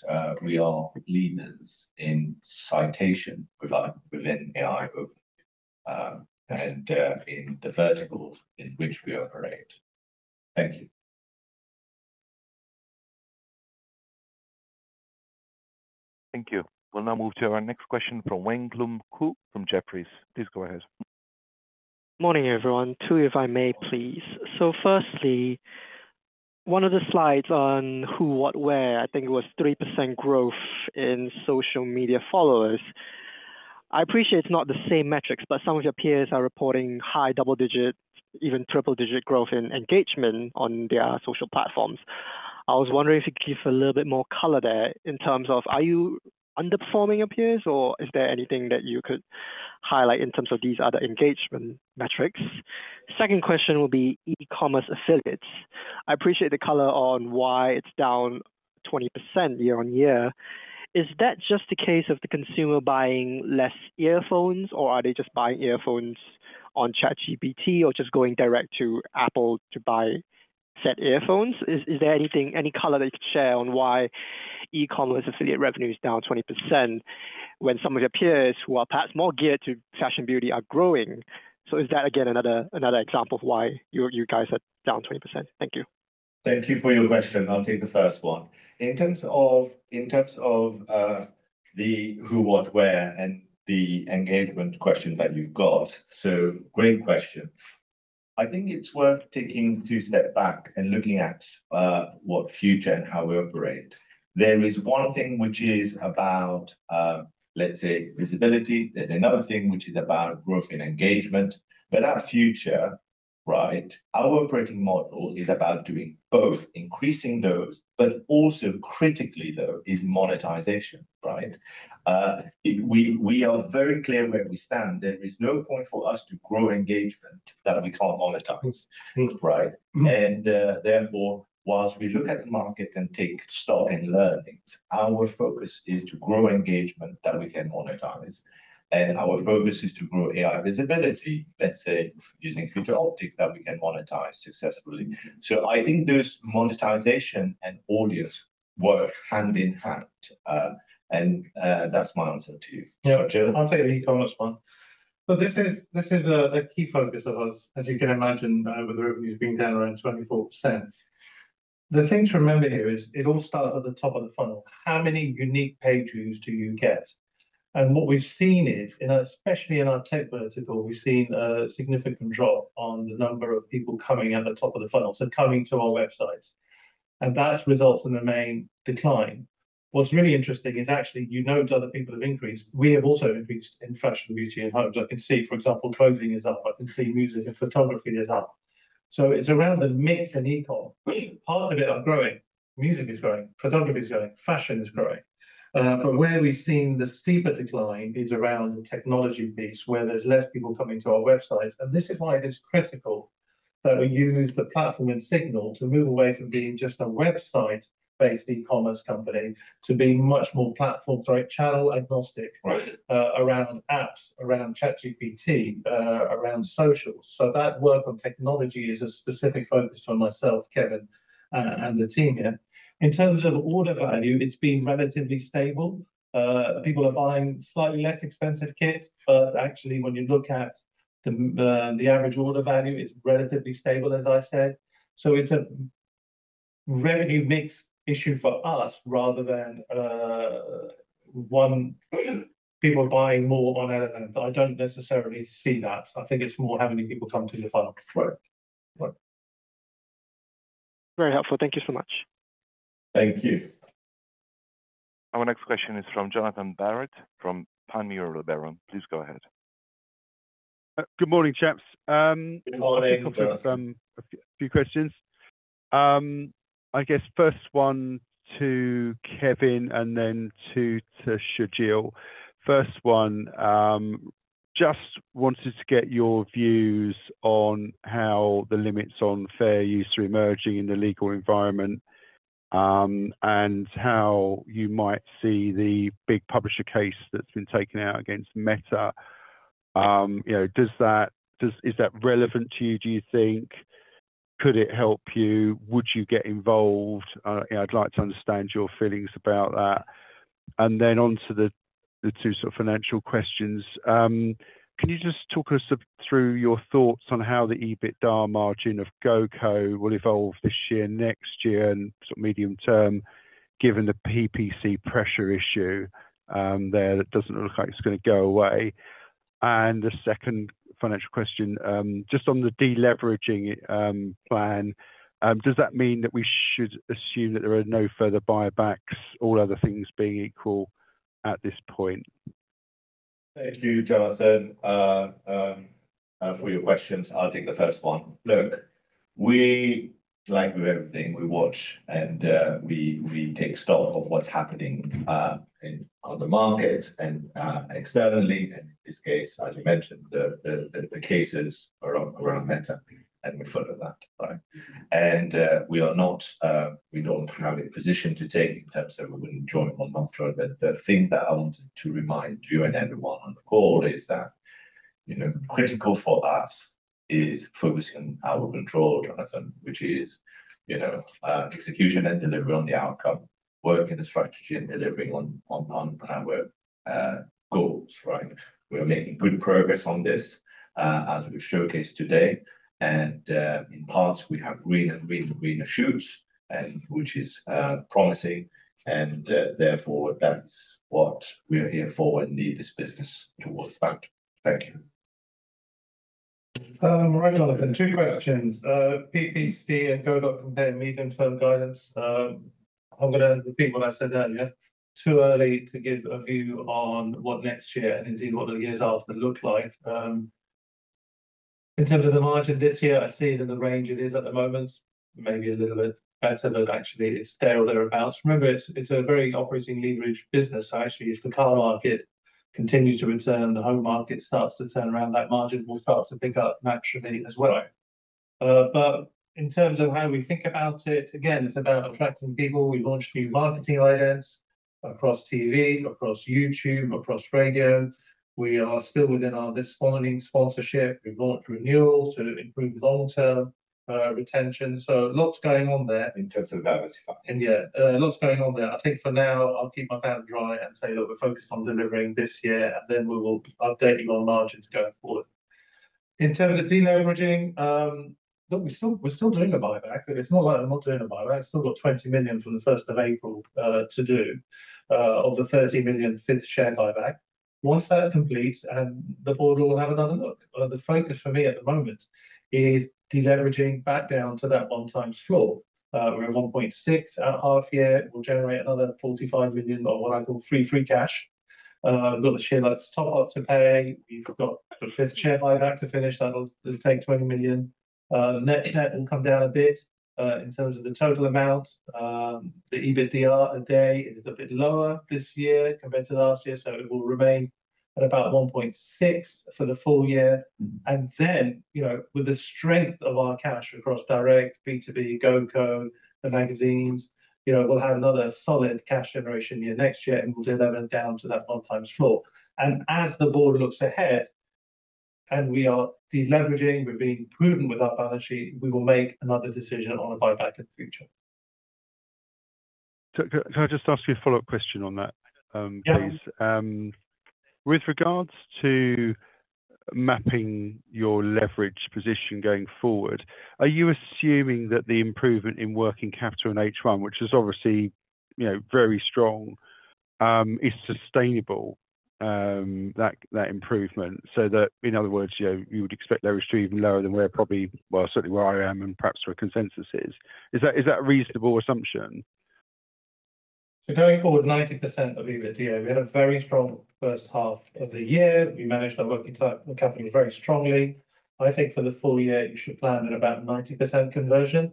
we are leaders in citation provider within AI Overviews and in the verticals in which we operate. Thank you. Thank you. We'll now move to our next question from Weng Lum Khoo from Jefferies. Please go ahead. Morning, everyone. Two, if I may, please. Firstly, one of the slides on Who What Wear, I think it was 3% growth in social media followers. I appreciate it's not the same metrics, but some of your peers are reporting high double-digit, even triple-digit growth in engagement on their social platforms. I was wondering if you could give a little bit more color there in terms of are you underperforming your peers, or is there anything that you could highlight in terms of these other engagement metrics? Second question would be e-commerce affiliates. I appreciate the color on why it's down 20% year-on-year. Is that just a case of the consumer buying less earphones, or are they just buying earphones on ChatGPT or just going direct to Apple to buy said earphones? Is there anything, any color that you could share on why e-commerce affiliate revenue is down 20% when some of your peers who are perhaps more geared to fashion beauty are growing? Is that again another example of why you guys are down 20%? Thank you. Thank you for your question. I'll take the first one. In terms of the Who What Wear and the engagement question that you've got, great question. I think it's worth taking two steps back and looking at what Future and how we operate. There is one thing which is about, let's say visibility. There's another thing which is about growth in engagement. At Future, our operating model is about doing both, increasing those, but also critically, though, is monetization. We are very clear where we stand. There is no point for us to grow engagement that we can't monetize. Therefore, whilst we look at the market and take stock and learnings, our focus is to grow engagement that we can monetize. Our focus is to grow AI visibility, let's say using Future Optic, that we can monetize successfully. I think those monetization and audience work hand in hand. That's my answer to you. Sharjeel? Yeah. I'll take the e-commerce one. This is a key focus of us, as you can imagine, with the revenues being down around 24%. The thing to remember here is it all starts at the top of the funnel. How many unique page views do you get? What we've seen is, especially in our tech vertical, we've seen a significant drop on the number of people coming at the top of the funnel, so coming to our websites. That results in the main decline. What's really interesting is actually, you note other people have increased. We have also increased in fashion, beauty, and homes. I can see, for example, clothing is up. I can see music and photography is up. It's around the mix in e-com. Parts of it are growing. Music is growing. Photography is growing. Fashion is growing. Where we've seen the steeper decline is around the technology piece, where there's less people coming to our websites. This is why it is critical that we use the platform and Signal to move away from being just a website-based e-commerce company to being much more platform, very channel agnostic, around apps, around ChatGPT, around social. That work on technology is a specific focus for myself, Kevin, and the team, yeah. In terms of order value, it's been relatively stable. People are buying slightly less expensive kits, actually, when you look at the average order value, it's relatively stable, as I said. It's a revenue mix issue for us rather than people are buying more on LLM. I don't necessarily see that. I think it's more how many people come to the funnel. Right. Right. Very helpful. Thank you so much. Thank you. Our next question is from Johnathan Barrett from Panmure Liberum. Please go ahead. Good morning, chaps. Good morning. A couple of a few questions. I guess first one to Kevin and then to Sharjeel. First one, just wanted to get your views on how the limits on fair use are emerging in the legal environment, and how you might see the big publisher case that's been taken out against Meta. You know, is that relevant to you, do you think? Could it help you? Would you get involved? You know, I'd like to understand your feelings about that. Then on to the two sort of financial questions. Can you just talk us through your thoughts on how the EBITDA margin of GOCO will evolve this year, next year and sort of medium term, given the PPC pressure issue there that doesn't look like it's gonna go away. The second financial question, just on the de-leveraging plan, does that mean that we should assume that there are no further buybacks, all other things being equal at this point? Thank you, Johnathan, for your questions. I'll take the first one. Look, we, like with everything, we watch and we take stock of what's happening on the market and externally. In this case, as you mentioned, the cases around Meta, we're fond of that, right? We are not, we don't have a position to take in terms of whether we join or not join. The thing that I wanted to remind you and everyone on the call is that, you know, critical for us is focusing on our control, Johnathan, which is, you know, execution and delivery on the outcome, working the strategy and delivering on our goals, right? We are making good progress on this, as we've showcased today. In parts we have greener shoots and which is promising and therefore that's what we're here for and lead this business towards that. Thank you. Right, Johnathan, two questions. PPC and Go.Compare medium term guidance. I'm gonna repeat what I said earlier. Too early to give a view on what next year and indeed what the years after look like. In terms of the margin this year, I see it in the range it is at the moment. Maybe a little bit better, but actually it's there or thereabouts. Remember, it's a very operating leverage business. Actually if the car market continues to return, the home market starts to turn around, that margin will start to pick up naturally as well. In terms of how we think about it, again, it's about attracting people. We've launched new marketing ideas across TV, across YouTube, across radio. We are still within our This Morning sponsorship. We've launched Renewal to improve long-term retention. Lots going on there. In terms of diversifying. Lots going on there. I think for now I'll keep my mouth dry and say, look, we're focused on delivering this year, then we will update you on margins going forward. In terms of deleveraging, we're still doing a buyback. It's not like we're not doing a buyback. Still got 20 million from the 1st of April to do of the 30 million fifth share buyback. Once that completes, the board will have another look. The focus for me at the moment is deleveraging back down to that 1x floor. We're at 1.6 at half-year. We'll generate another 45 million, or what I call free cash. We've got the SheerLuxe top up to pay. We've got the fifth share buyback to finish. It'll take 20 million. Net debt will come down a bit in terms of the total amount. The EBITDA a day is a bit lower this year compared to last year, so it will remain at about GBP 1.6x for the full year. You know, with the strength of our cash across direct, B2B, GOCO, the magazines, you know, we'll have another solid cash generation year next year, and we'll deliver down to that 1x floor. As the board looks ahead and we are deleveraging, we're being prudent with our balance sheet, we will make another decision on a buyback in Future. Can I just ask you a follow-up question on that, please? Yeah. With regards to mapping your leverage position going forward, are you assuming that the improvement in working capital in H1, which is obviously, you know, very strong, is sustainable, that improvement? That in other words, you know, you would expect that ratio even lower than where probably, well, certainly where I am and perhaps where consensus is. Is that a reasonable assumption? Going forward 90% of EBITDA. We had a very strong first half of the year. We managed our working capital very strongly. I think for the full year you should plan at about 90% conversion.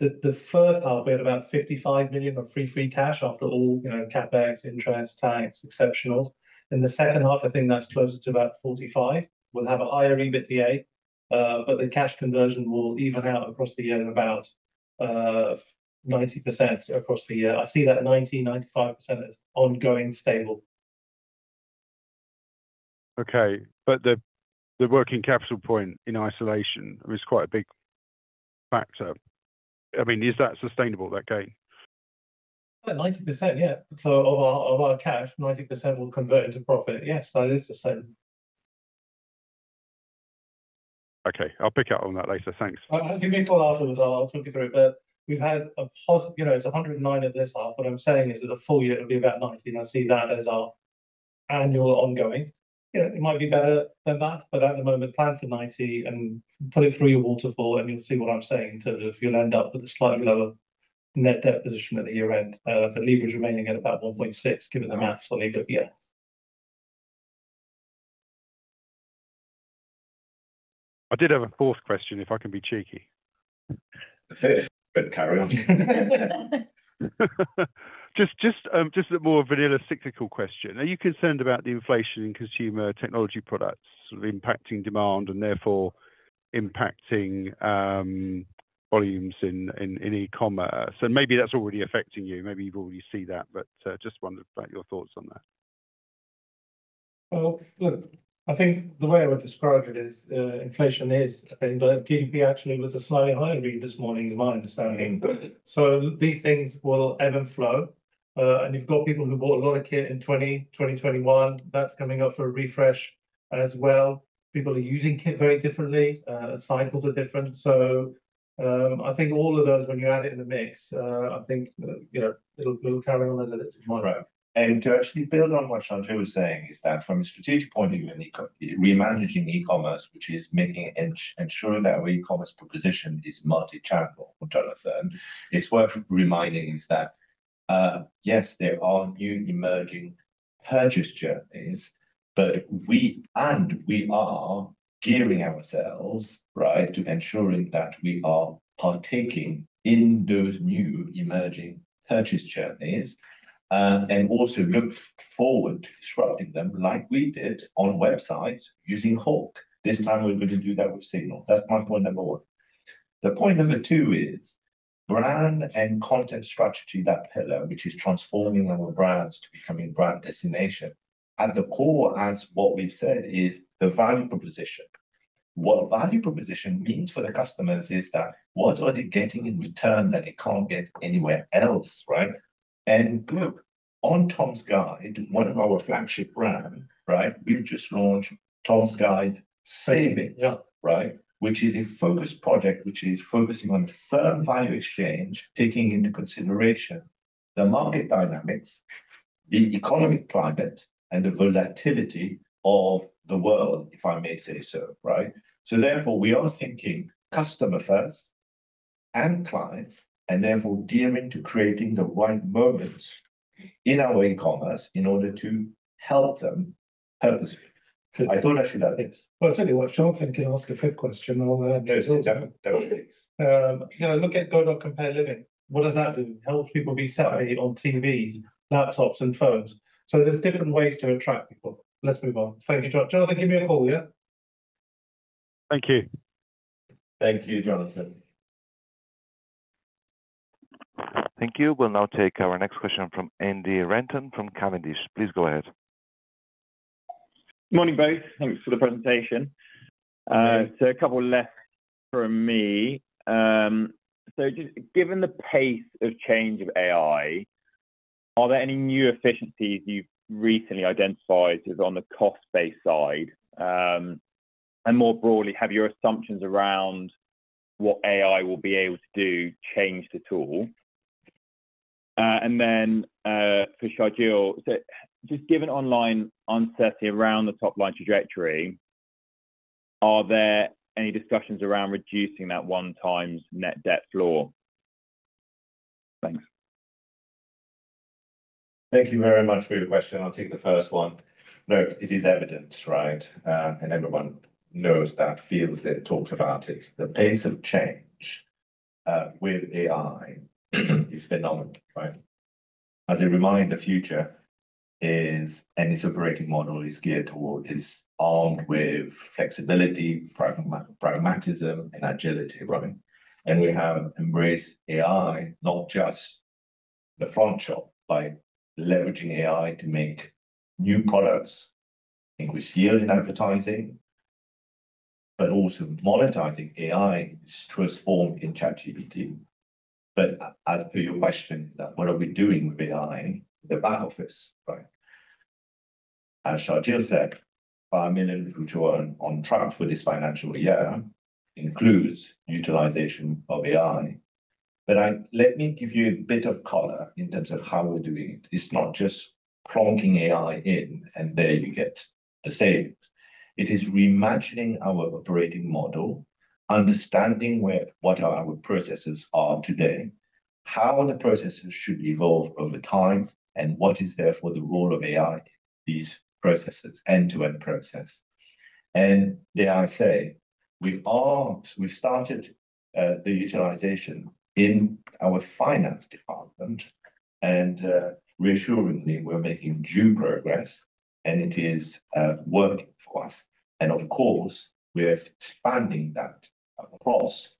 The first half we had about 55 million of free cash after all, you know, CapEx, interest, tax, exceptionals. In the second half, I think that's closer to about 45 million. We'll have a higher EBITDA, the cash conversion will even out across the year at about 90% across the year. I see that 90%-95% as ongoing stable. Okay. The working capital point in isolation is quite a big factor. I mean, is that sustainable, that gain? 90%, yeah. Of our cash, 90% will convert into profit. Yes, that is sustainable. Okay. I'll pick up on that later. Thanks. Give me a call afterwards, I'll talk you through. We've had, you know, it's 109% of this half. What I'm saying is that the full year it'll be about 90, and I see that as our annual ongoing. You know, it might be better than that, but at the moment plan for 90% and put it through your waterfall and you'll see what I'm saying in terms of you'll end up with a slightly lower net debt position at the year-end. Leverage remaining at about 1.6x given the maths on EBITDA. I did have a fourth question, if I can be cheeky. The fifth, but carry on. Just a more vanilla cyclical question. Are you concerned about the inflation in consumer technology products sort of impacting demand and therefore impacting volumes in e-commerce? Maybe that's already affecting you, maybe you already see that, but just wondered about your thoughts on that. Well, look, I think the way I would describe it is, inflation is a thing, but GDP actually was a slightly higher read this morning, is my understanding. These things will ebb and flow. You've got people who bought a lot of kit in 2020, 2021. That's coming up for a refresh as well. People are using kit very differently. Cycles are different. I think all of those, when you add it in the mix, I think, you know, it'll carry on a little tomorrow. To actually build on what Sharjeel was saying, is that from a strategic point of view, re-managing e-commerce, which is ensuring that our e-commerce proposition is multi-channel for Johnathan, it's worth reminding is that, yes, there are new emerging purchase journeys, but we are gearing ourselves, right, to ensuring that we are partaking in those new emerging purchase journeys, and also look forward to disrupting them like we did on websites using Hawk. This time we're gonna do that with Signal. That's my point number one. The point number two is brand and content strategy, that pillar, which is transforming our brands to becoming brand destination. At the core, as what we've said, is the value proposition. What value proposition means for the customers is that what are they getting in return that they can't get anywhere else, right? Look, on Tom's Guide, one of our flagship brand, right, we've just launched Tom's Guide Savings. Yeah Right? Which is a focused project, which is focusing on firm value exchange, taking into consideration the market dynamics, the economic climate, and the volatility of the world, if I may say so, right? Therefore, we are thinking customer first and clients, and therefore gear them into creating the right moments in our e-commerce in order to help them purposely. I thought I should add this. I'll tell you what, Johnathan can ask a fifth question. I'll move on. No, it's okay. Don't worry, please. you know, look at Go.Compare. What does that do? It helps people be savvy on TVs, laptops and phones. There's different ways to attract people. Let's move on. Thank you, Johnathan. Johnathan, give me a call, yeah? Thank you. Thank you, Johnathan. Thank you. We'll now take our next question from Andrew Renton from Cavendish. Please go ahead. Morning, both. Thanks for the presentation. Yeah. A couple left from me. Just given the pace of change of AI, are there any new efficiencies you've recently identified as on the cost base side? More broadly, have your assumptions around what AI will be able to do change at all? Then for Sharjeel, just given online uncertainty around the top line trajectory, are there any discussions around reducing that 1x net debt floor? Thanks. Thank you very much for your question. I'll take the first one. Look, it is evidence, right? Everyone knows that, feels it, talks about it. The pace of change with AI is phenomenal, right? As I remind Future is, and its operating model is geared toward, is armed with flexibility, pragmatism and agility, right? We have embraced AI, not just the front shop, by leveraging AI to make new products, increase yield in advertising, but also monetizing AI is transformed in ChatGPT. As per your question, what are we doing with AI in the back office, right? As Sharjeel said, 5 million return on track for this financial year includes utilization of AI. Let me give you a bit of color in terms of how we're doing it. It's not just plonking AI in and there you get the savings. It is reimagining our operating model, understanding where, what our processes are today, how the processes should evolve over time, and what is therefore the role of AI in these processes, end-to-end process. Dare I say, we started the utilization in our finance department, reassuringly, we're making due progress, and it is working for us. Of course, we're expanding that across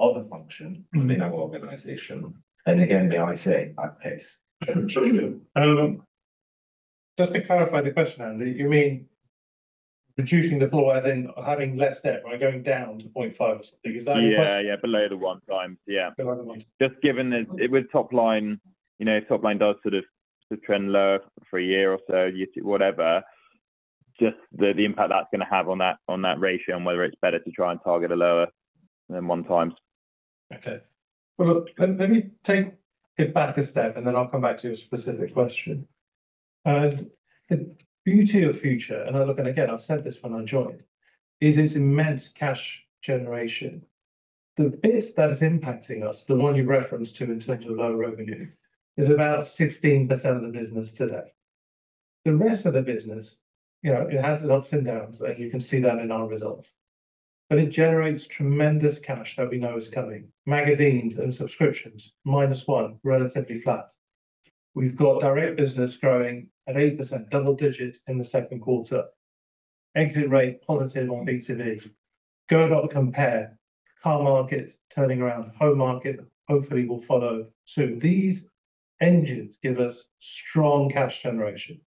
other function within our organization. Again, may I say, at pace. Sharjeel, just to clarify the question, Andrew, you mean reducing the floor as in having less debt, right? Going down to 0.5x or something. Is that the question? Yeah, yeah. Below the 1x. Yeah. Below the 1x. Just given that with top line, you know, top line does sort of trend lower for a year or so, just the impact that's gonna have on that ratio, and whether it's better to try and target a lower than 1x. Well, look, let me take it back a step, then I'll come back to your specific question. The beauty of Future, look, again, I've said this when I joined, is its immense cash generation. The bit that is impacting us, the one you referenced to in terms of low revenue, is about 16% of the business today. The rest of the business, you know, it has its ups and downs, like you can see that in our results, it generates tremendous cash that we know is coming. Magazines and subscriptions, -1%, relatively flat. We've got direct business growing at 8%, double digit in the second quarter. Exit rate positive on B2B. Go.Compare, car market turning around, home market hopefully will follow soon. These engines give us strong cash generation.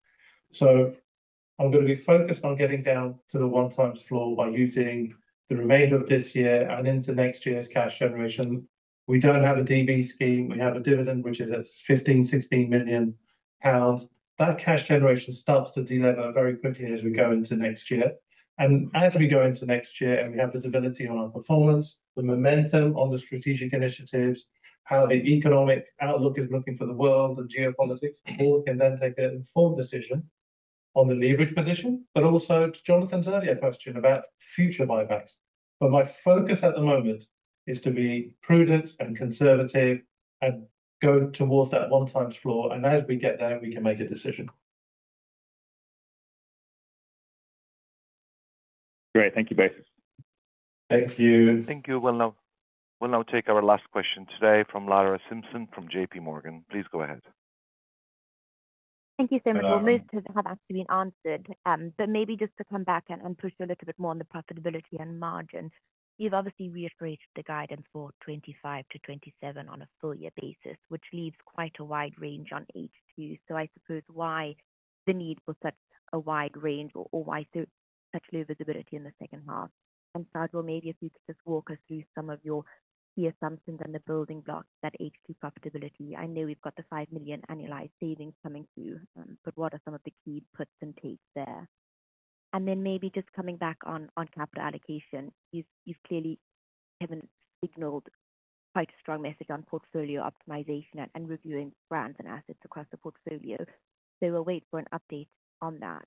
I'm going to be focused on getting down to the 1 times floor by using the remainder of this year and into next year's cash generation. We don't have a DB scheme. We have a dividend, which is at 15 million-16 million pounds. That cash generation starts to delever very quickly as we go into next year. As we go into next year and we have visibility on our performance, the momentum on the strategic initiatives, how the economic outlook is looking for the world and geopolitics, the board can then take an informed decision on the leverage position, but also to Johnathan's earlier question about future buybacks. My focus at the moment is to be prudent and conservative and go towards that 1 times floor. As we get there, we can make a decision. Great. Thank you both. Thank you. Thank you. We'll now take our last question today from Lara Simpson from JPMorgan. Please go ahead. Thank you so much. Well, most of that has actually been answered, maybe just to come back and push a little bit more on the profitability and margins. You've obviously reiterated the guidance for 2025-2027 on a full year basis, which leaves quite a wide range on H2. I suppose why the need for such a wide range or such low visibility in the second half? Sharjeel, maybe if you could just walk us through some of your key assumptions and the building blocks that H2 profitability. I know we've got the 5 million annualized savings coming through, what are some of the key puts and takes there? Then maybe just coming back on capital allocation. You've clearly, haven't signaled quite a strong message on portfolio optimization and reviewing brands and assets across the portfolio. We'll wait for an update on that.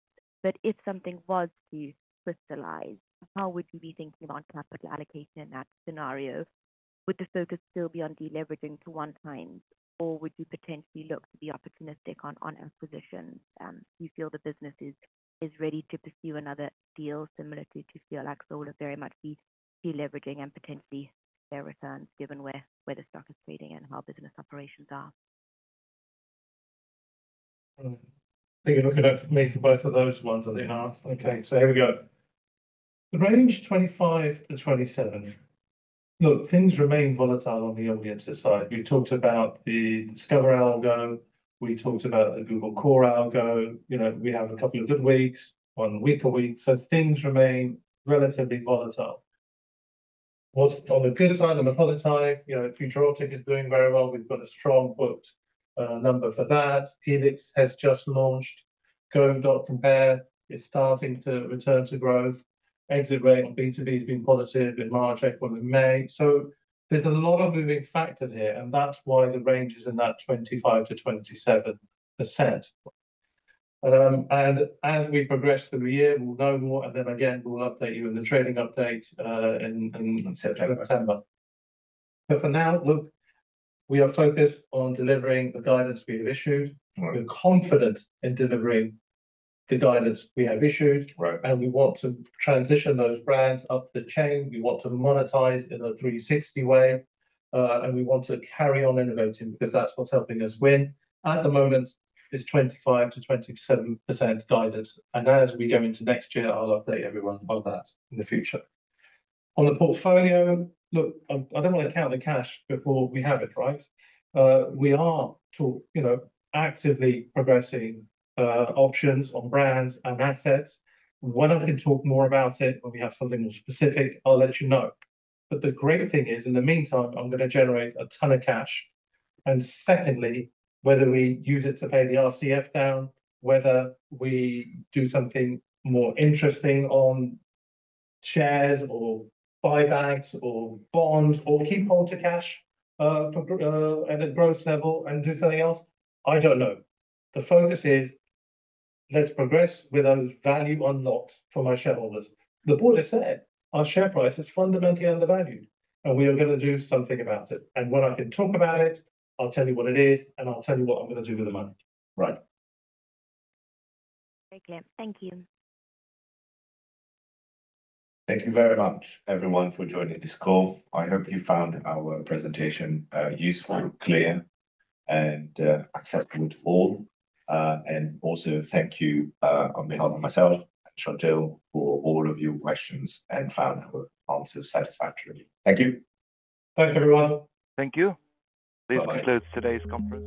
If something was to crystallize, how would you be thinking on capital allocation in that scenario? Would the focus still be on deleveraging to 1x, or would you potentially look to be opportunistic on acquisitions? Do you feel the business is ready to pursue another deal similarly to [Fearless Solar, very much deleveraging and potentially share returns given where the stock is trading and how business operations are? I think you're looking at me for both of those ones, are they not? Okay, here we go. The range 25%-27%, look, things remain volatile on the on the inside. We talked about the Discover algo. We talked about the Google Core algo. You know, we have a couple of good weeks, one week, things remain relatively volatile. What's on the good side and the positive, you know, Future Outlook is doing very well. We've got a strong booked number for that. Helix has just launched. Go.Compare is starting to return to growth. Exit rate on B2B has been positive in March, April, and May. There's a lot of moving factors here, and that's why the range is in that 25%-27%. As we progress through the year, we'll know more, and then again, we'll update you in the trading update, in September. September. For now, look, we are focused on delivering the guidance we have issued. Right. We're confident in delivering the guidance we have issued. Right. We want to transition those brands up the chain. We want to monetize in a 360 way. We want to carry on innovating because that's what's helping us win. At the moment, it's 25%-27% guidance. As we go into next year, I'll update everyone about that in the future. On the portfolio, look, I don't wanna count the cash before we have it, right? We are you know, actively progressing options on brands and assets. When I can talk more about it or we have something more specific, I'll let you know. The great thing is, in the meantime, I'm gonna generate a ton of cash. Secondly, whether we use it to pay the RCF down, whether we do something more interesting on shares or buybacks or bonds or keep hold to cash, for, at a growth level and do something else, I don't know. The focus is let's progress with those value unlocks for my shareholders. The board has said our share price is fundamentally undervalued, and we are gonna do something about it. When I can talk about it, I'll tell you what it is, and I'll tell you what I'm gonna do with the money. Right. Very clear. Thank you. Thank you very much, everyone, for joining this call. I hope you found our presentation useful, clear, and accessible to all. Also thank you on behalf of myself and Sharjeel for all of your questions and found our answers satisfactory. Thank you. Thanks, everyone. Thank you. This concludes today's conference.